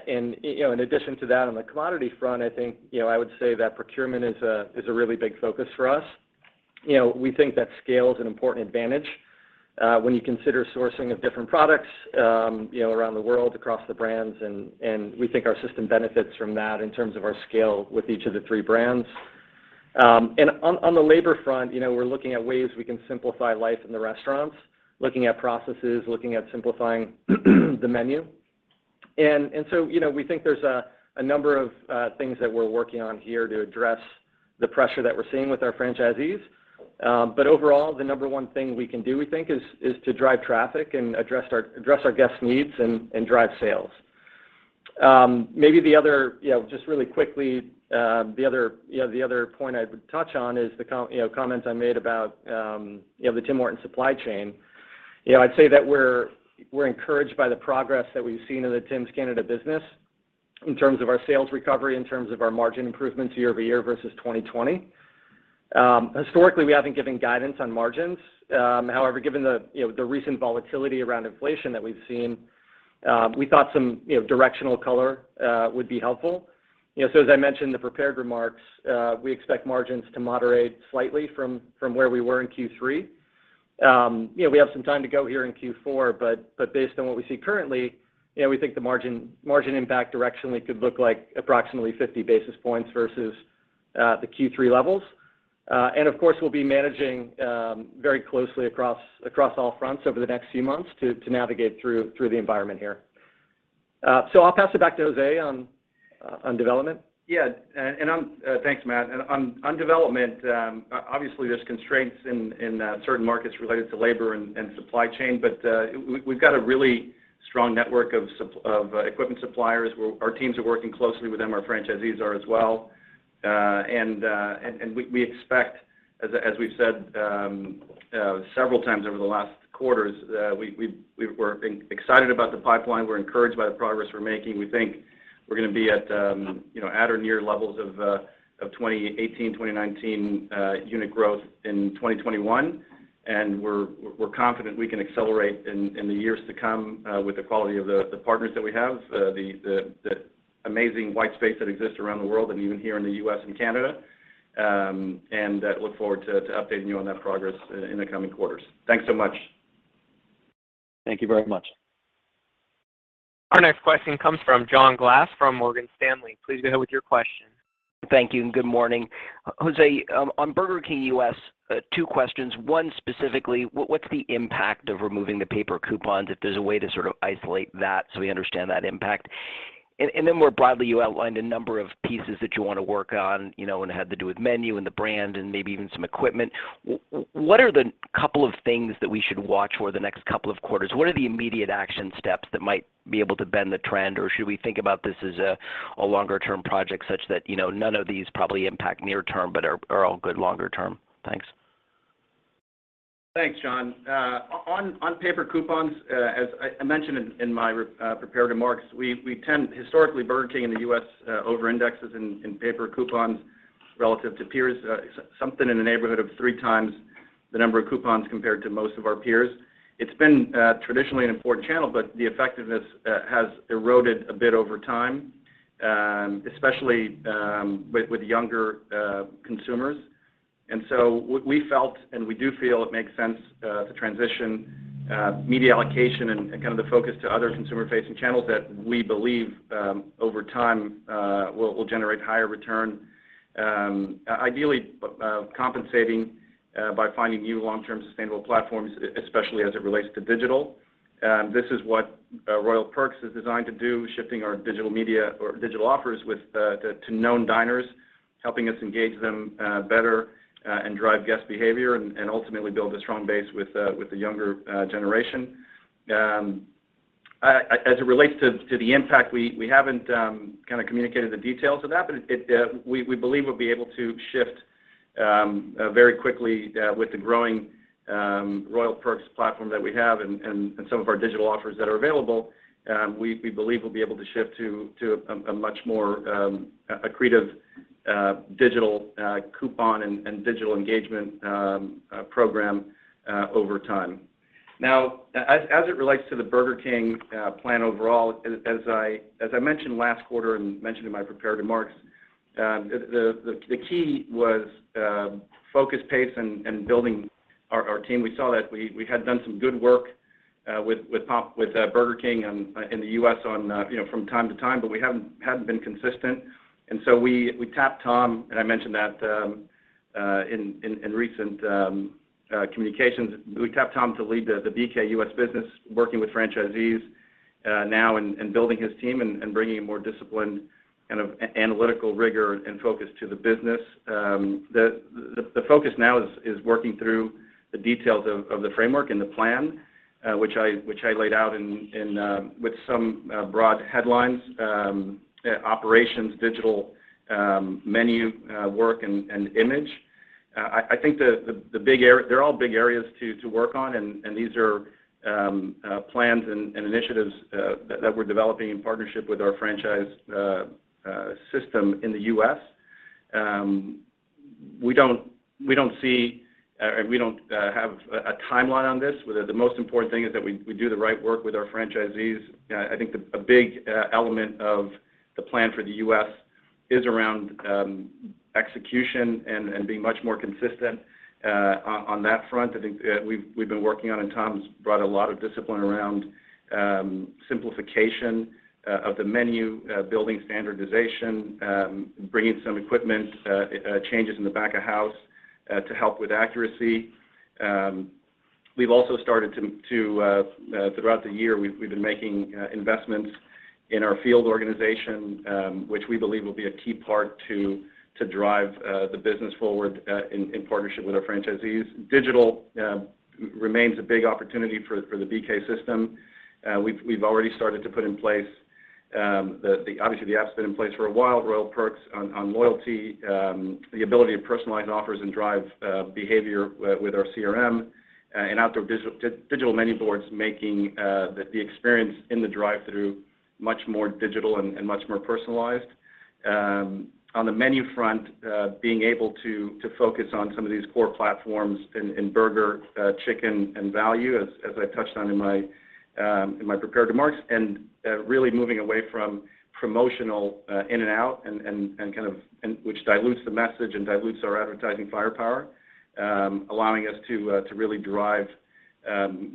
In addition to that, on the commodity front, I would say that procurement is a really big focus for us. We think that scale is an important advantage, when you consider sourcing of different products around the world, across the brands, and we think our system benefits from that in terms of our scale with each of the three brands. On the labor front, we're looking at ways we can simplify life in the restaurants, looking at processes, looking at simplifying the menu. We think there's a number of things that we're working on here to address the pressure that we're seeing with our franchisees. Overall, the number one thing we can do, we think, is to drive traffic and address our guests' needs and drive sales. Maybe the other, just really quickly, the other point I would touch on is the comments I made about the Tim Hortons supply chain. I'd say that we're encouraged by the progress that we've seen in the Tims Canada business in terms of our sales recovery, in terms of our margin improvements year over year versus 2020. Historically, we haven't given guidance on margins. However, given the recent volatility around inflation that we've seen, we thought some directional color would be helpful. As I mentioned in the prepared remarks, we expect margins to moderate slightly from where we were in Q3. We have some time to go here in Q4, based on what we see currently, we think the margin impact directionally could look like approximately 50 basis points versus the Q3 levels. Of course, we'll be managing very closely across all fronts over the next few months to navigate through the environment here. I'll pass it back to José on development. Yeah. Thanks, Matt. On development, obviously there's constraints in certain markets related to labor and supply chain, but we've got a really strong network of equipment suppliers. Our teams are working closely with them. Our franchisees are as well. We expect, as we've said several times over the last quarters, we're excited about the pipeline. We're encouraged by the progress we're making. We think we're going to be at our near levels of 2018, 2019 unit growth in 2021. We're confident we can accelerate in the years to come with the quality of the partners that we have, the amazing white space that exists around the world and even here in the U.S. and Canada, and look forward to updating you on that progress in the coming quarters. Thanks so much. Thank you very much. Our next question comes from John Glass from Morgan Stanley. Please go ahead with your question. Thank you. Good morning. José, on Burger King U.S., two questions. One specifically, what's the impact of removing the paper coupons, if there's a way to sort of isolate that so we understand that impact. More broadly, you outlined a number of pieces that you want to work on, and had to do with menu and the brand and maybe even some equipment. What are the couple of things that we should watch for the next couple of quarters? What are the immediate action steps that might be able to bend the trend, or should we think about this as a longer-term project such that none of these probably impact near term, but are all good longer term? Thanks. Thanks, John. On paper coupons, as I mentioned in my prepared remarks, historically Burger King in the U.S. over-indexes in paper coupons relative to peers. Something in the neighborhood of 3x the number of coupons compared to most of our peers. It's been traditionally an important channel, but the effectiveness, has eroded a bit over time, especially with younger consumers. What we felt, and we do feel it makes sense, to transition media allocation and kind of the focus to other consumer-facing channels that we believe, over time, will generate higher return. Ideally, compensating by finding new long-term sustainable platforms, especially as it relates to digital. This is what Royal Perks is designed to do, shifting our digital media or digital offers to known diners, helping us engage them better, and drive guest behavior and ultimately build a strong base with the younger generation. As it relates to the impact, we haven't kind of communicated the details of that. We believe we'll be able to shift very quickly with the growing Royal Perks platform that we have and some of our digital offers that are available. We believe we'll be able to shift to a much more accretive digital coupon and digital engagement program over time. As it relates to the Burger King plan overall, as I mentioned last quarter and mentioned in my prepared remarks, the key was focus, pace and building our team. We saw that we had done some good work with Burger King in the U.S. from time to time. We hadn't been consistent. We tapped Tom, and I mentioned that in recent communications. We tapped Tom to lead the BK U.S. business, working with franchisees now and building his team and bringing a more disciplined analytical rigor and focus to the business. The focus now is working through the details of the framework and the plan, which I laid out with some broad headlines, operations, digital, menu work, and image. I think they're all big areas to work on, and these are plans and initiatives that we're developing in partnership with our franchise system in the U.S. We don't have a timeline on this. The most important thing is that we do the right work with our franchisees. I think a big element of the plan for the U.S. is around execution and being much more consistent on that front. I think we've been working on, and Tom's brought a lot of discipline around simplification of the menu, building standardization, bringing some equipment changes in the back of house to help with accuracy. Throughout the year, we've been making investments in our field organization, which we believe will be a key part to drive the business forward in partnership with our franchisees. Digital remains a big opportunity for the BK system. We've already started to put in place, obviously the app's been in place for a while, Royal Perks on loyalty, the ability to personalize offers and drive behavior with our CRM, and outdoor digital menu boards making the experience in the drive-thru much more digital and much more personalized. On the menu front, being able to focus on some of these core platforms in burger, chicken, and value, as I touched on in my prepared remarks, really moving away from promotional in and out, which dilutes the message and dilutes our advertising firepower, allowing us to really drive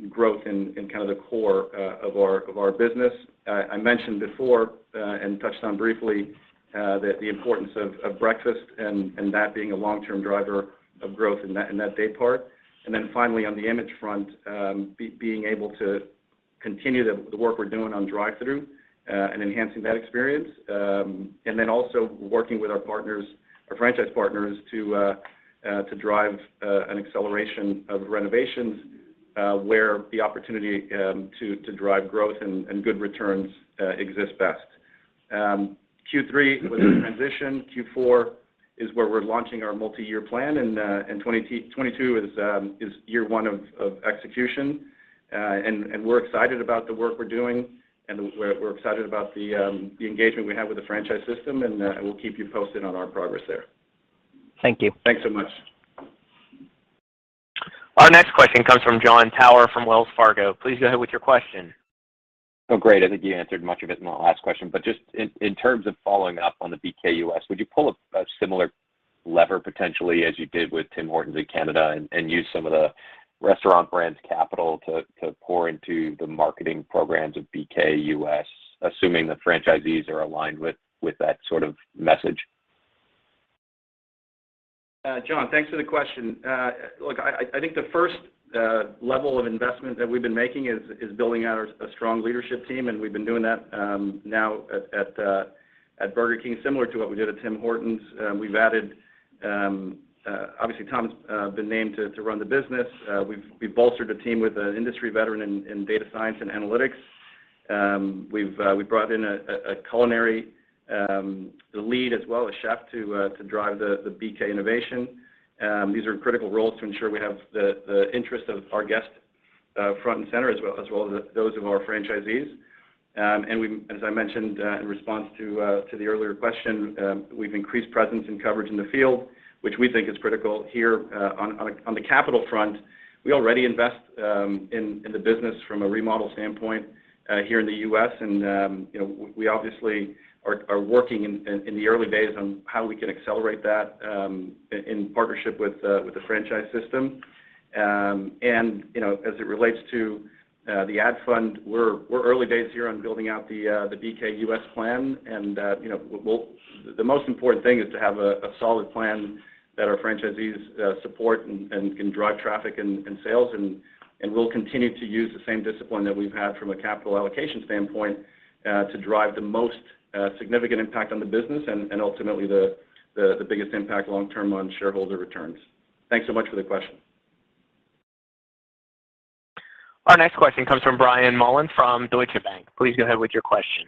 growth in the core of our business. I mentioned before, and touched on briefly, the importance of breakfast and that being a long-term driver of growth in that daypart. Finally, on the image front, being able to continue the work we're doing on drive-thru, and enhancing that experience. Also working with our franchise partners to drive an acceleration of renovations where the opportunity to drive growth and good returns exists best. Q3 was a transition. Q4 is where we're launching our multi-year plan, 2022 is year one of execution. We're excited about the work we're doing, and we're excited about the engagement we have with the franchise system, and we'll keep you posted on our progress there. Thank you. Thanks so much. Our next question comes from Jon Tower from Wells Fargo. Please go ahead with your question. Oh, great. I think you answered much of it in the last question, but just in terms of following up on the BK U.S., would you pull a similar lever potentially as you did with Tim Hortons in Canada and use some of the Restaurant Brands capital to pour into the marketing programs of BK U.S., assuming the franchisees are aligned with that sort of message? Jon Glass, thanks for the question. Look, I think the first level of investment that we've been making is building out a strong leadership team, and we've been doing that now at Burger King, similar to what we did at Tim Hortons. Obviously, Tom Curtis's been named to run the business. We've bolstered a team with an industry veteran in data science and analytics. We've brought in a culinary lead as well, a chef, to drive the BK innovation. These are critical roles to ensure we have the interest of our guests front and center, as well as those of our franchisees. As I mentioned in response to the earlier question, we've increased presence and coverage in the field, which we think is critical here. On the capital front, we already invest in the business from a remodel standpoint here in the U.S. We obviously are working in the early days on how we can accelerate that in partnership with the franchise system. As it relates to the ad fund, we're early days here on building out the Burger King U.S. plan. The most important thing is to have a solid plan that our franchisees support and can drive traffic and sales. We'll continue to use the same discipline that we've had from a capital allocation standpoint to drive the most significant impact on the business and ultimately the biggest impact long-term on shareholder returns. Thanks so much for the question. Our next question comes from Brian Mullan from Deutsche Bank. Please go ahead with your question.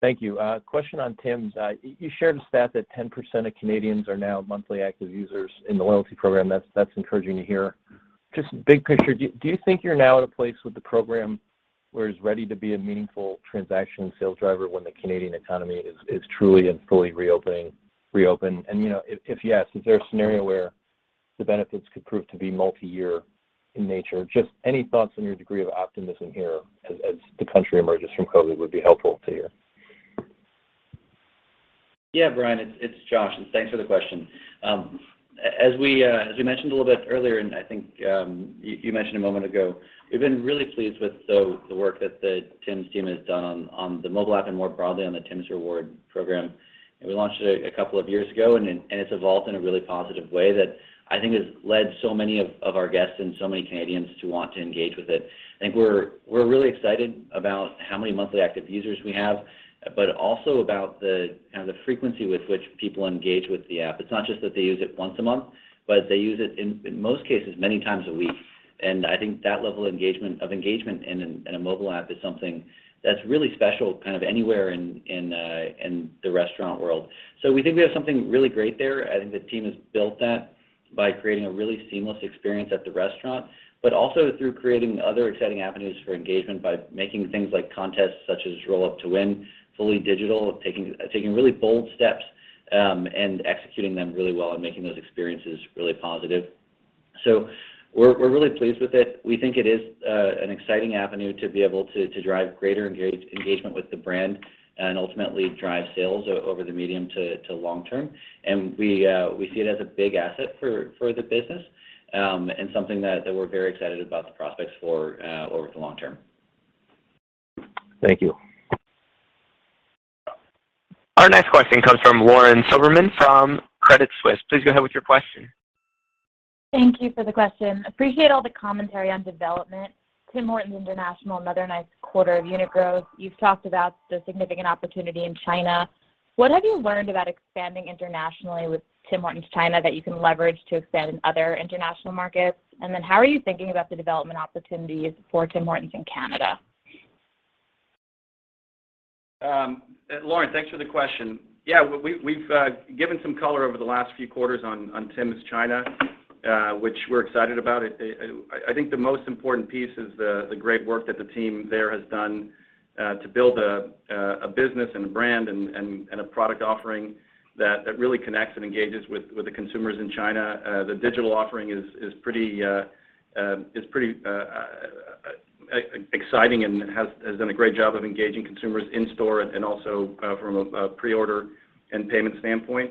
Thank you. A question on Tim's. You shared a stat that 10% of Canadians are now monthly active users in the loyalty program. That's encouraging to hear. Just big picture, do you think you're now at a place with the program where it's ready to be a meaningful transaction sales driver when the Canadian economy is truly and fully reopened? If yes, is there a scenario where the benefits could prove to be multi-year in nature? Just any thoughts on your degree of optimism here as the country emerges from COVID would be helpful to hear. Yeah, Brian Bittner, it's Josh Kobza. Thanks for the question. As we mentioned a little bit earlier, I think you mentioned a moment ago, we've been really pleased with the work that Tim Hortons team has done on the mobile app and more broadly on the Tims Rewards program. We launched it a couple of years ago, it's evolved in a really positive way that I think has led so many of our guests and so many Canadians to want to engage with it. I think we're really excited about how many monthly active users we have, also about the kind of the frequency with which people engage with the app. It's not just that they use it once a month, they use it, in most cases, many times a week. I think that level of engagement in a mobile app is something that's really special kind of anywhere in the restaurant world. We think we have something really great there. I think the team has built that by creating a really seamless experience at the restaurant, but also through creating other exciting avenues for engagement by making things like contests such as Roll Up to Win fully digital. Taking really bold steps, and executing them really well and making those experiences really positive. We're really pleased with it. We think it is an exciting avenue to be able to drive greater engagement with the brand and ultimately drive sales over the medium to long term. We see it as a big asset for the business, and something that we're very excited about the prospects for, over the long term. Thank you. Our next question comes from Lauren Silberman from Credit Suisse. Please go ahead with your question. Thank you for the question. Appreciate all the commentary on development. Tim Hortons International, another nice quarter of unit growth. You've talked about the significant opportunity in China. What have you learned about expanding internationally with Tim Hortons China that you can leverage to expand in other international markets? How are you thinking about the development opportunities for Tim Hortons in Canada? Lauren, thanks for the question. We've given some color over the last few quarters on Tim's China, which we're excited about. I think the most important piece is the great work that the team there has done to build a business and a brand and a product offering that really connects and engages with the consumers in China. The digital offering is pretty exciting and has done a great job of engaging consumers in store and also from a pre-order and payment standpoint.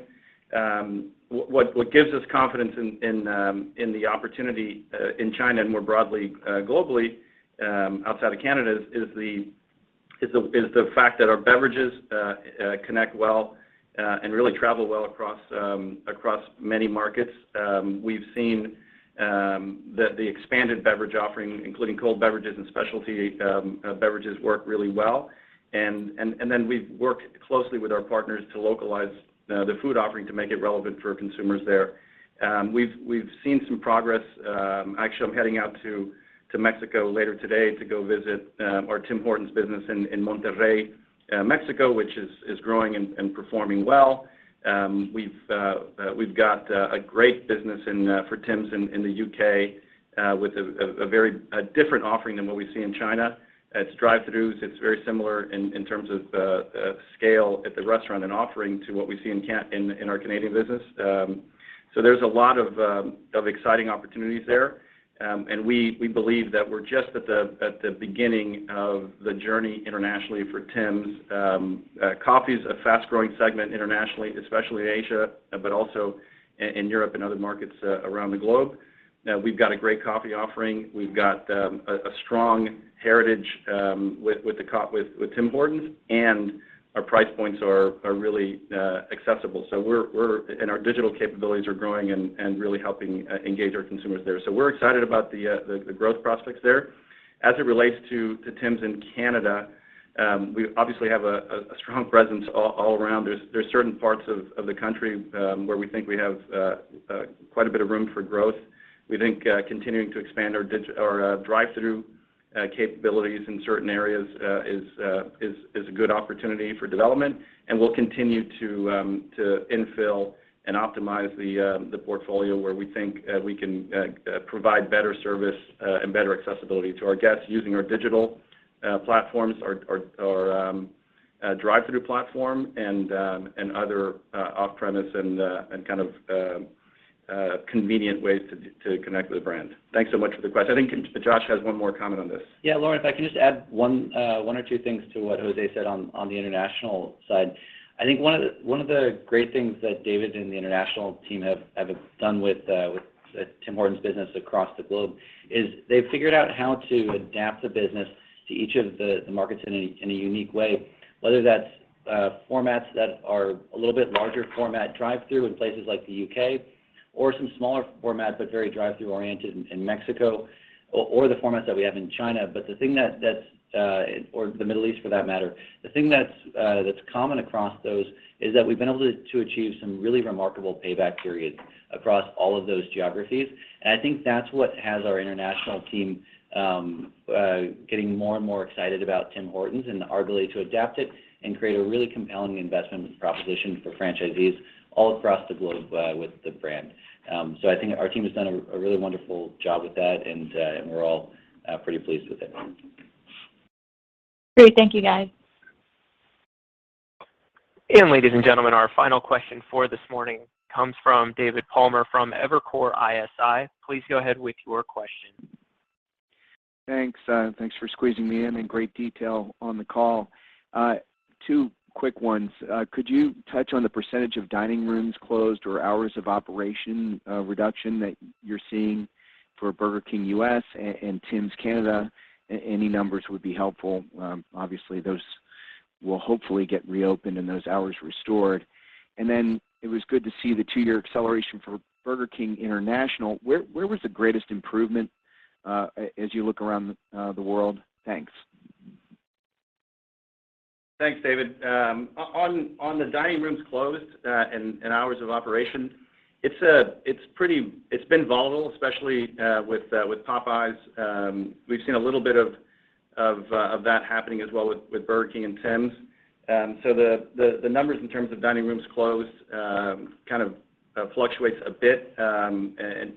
What gives us confidence in the opportunity in China and more broadly globally, outside of Canada, is the fact that our beverages connect well and really travel well across many markets. We've seen that the expanded beverage offering, including cold beverages and specialty beverages, work really well. We've worked closely with our partners to localize the food offering to make it relevant for consumers there. We've seen some progress. Actually, I'm heading out to Mexico later today to go visit our Tim Hortons business in Monterrey, Mexico, which is growing and performing well. We've got a great business for Tim's in the U.K., with a very different offering than what we see in China. It's drive-throughs, it's very similar in terms of the scale at the restaurant and offering to what we see in our Canadian business. There's a lot of exciting opportunities there. We believe that we're just at the beginning of the journey internationally for Tim's. Coffee's a fast-growing segment internationally, especially in Asia, but also in Europe and other markets around the globe. We've got a great coffee offering. We've got a strong heritage with Tim Hortons, and our price points are really accessible, and our digital capabilities are growing and really helping engage our consumers there. We're excited about the growth prospects there. As it relates to Tim's in Canada, we obviously have a strong presence all around. There's certain parts of the country where we think we have quite a bit of room for growth. We think continuing to expand our drive-through capabilities in certain areas is a good opportunity for development, and we'll continue to infill and optimize the portfolio where we think we can provide better service and better accessibility to our guests using our digital platforms, our drive-through platform, and other off-premise and kind of convenient ways to connect with the brand. Thanks so much for the question. I think Josh has one more comment on this. Lauren Silberman, if I can just add one or two things to what José Cil said on the international side. I think one of the great things that David and the international team have done with Tim Hortons business across the globe is they've figured out how to adapt the business to each of the markets in a unique way. Whether that's formats that are a little bit larger format drive-through in places like the U.K., or some smaller format, but very drive-through oriented in Mexico, or the formats that we have in China, or the Middle East for that matter. The thing that's common across those is that we've been able to achieve some really remarkable payback periods across all of those geographies, and I think that's what has our international team getting more and more excited about Tim Hortons, and our ability to adapt it and create a really compelling investment proposition for franchisees all across the globe with the brand. I think our team has done a really wonderful job with that, and we're all pretty pleased with it. Great. Thank you, guys. Ladies and gentlemen, our final question for this morning comes from David Palmer from Evercore ISI. Please go ahead with your question. Thanks. Thanks for squeezing me in. Great detail on the call. Two quick ones. Could you touch on the percentage of dining rooms closed or hours of operation reduction that you're seeing for Burger King U.S. and Tim's Canada? Any numbers would be helpful. Obviously, those will hopefully get reopened and those hours restored. It was good to see the two-year acceleration for Burger King International. Where was the greatest improvement as you look around the world? Thanks. Thanks, David. On the dining rooms closed and hours of operation, it's been volatile, especially with Popeyes. We've seen a little bit of that happening as well with Burger King and Tim's. The numbers in terms of dining rooms closed kind of fluctuates a bit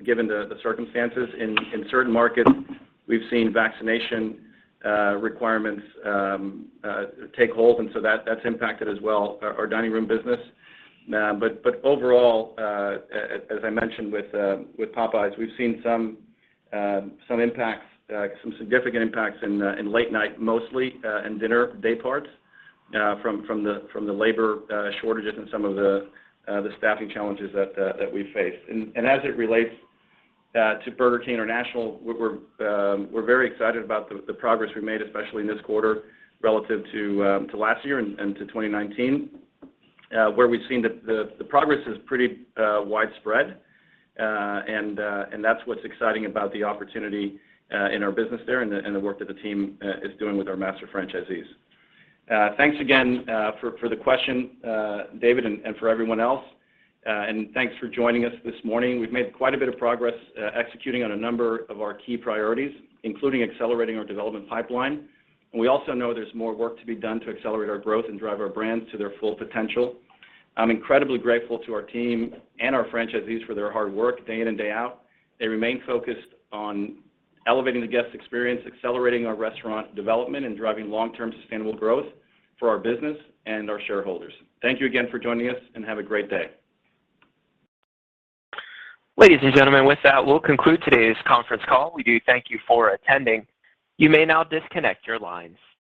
given the circumstances. In certain markets, we've seen vaccination requirements take hold, that's impacted as well, our dining room business. Overall, as I mentioned with Popeyes, we've seen some significant impacts in late night, mostly, and dinner, dayparts, from the labor shortages and some of the staffing challenges that we face. As it relates to Burger King International, we're very excited about the progress we made, especially in this quarter relative to last year and to 2019, where we've seen the progress is pretty widespread. That's what's exciting about the opportunity in our business there and the work that the team is doing with our master franchisees. Thanks again for the question, David, and for everyone else, and thanks for joining us this morning. We've made quite a bit of progress executing on a number of our key priorities, including accelerating our development pipeline. We also know there's more work to be done to accelerate our growth and drive our brands to their full potential. I'm incredibly grateful to our team and our franchisees for their hard work day in and day out. They remain focused on elevating the guest experience, accelerating our restaurant development, and driving long-term sustainable growth for our business and our shareholders. Thank you again for joining us, and have a great day. Ladies and gentlemen, with that, we'll conclude today's conference call. We do thank you for attending. You may now disconnect your lines.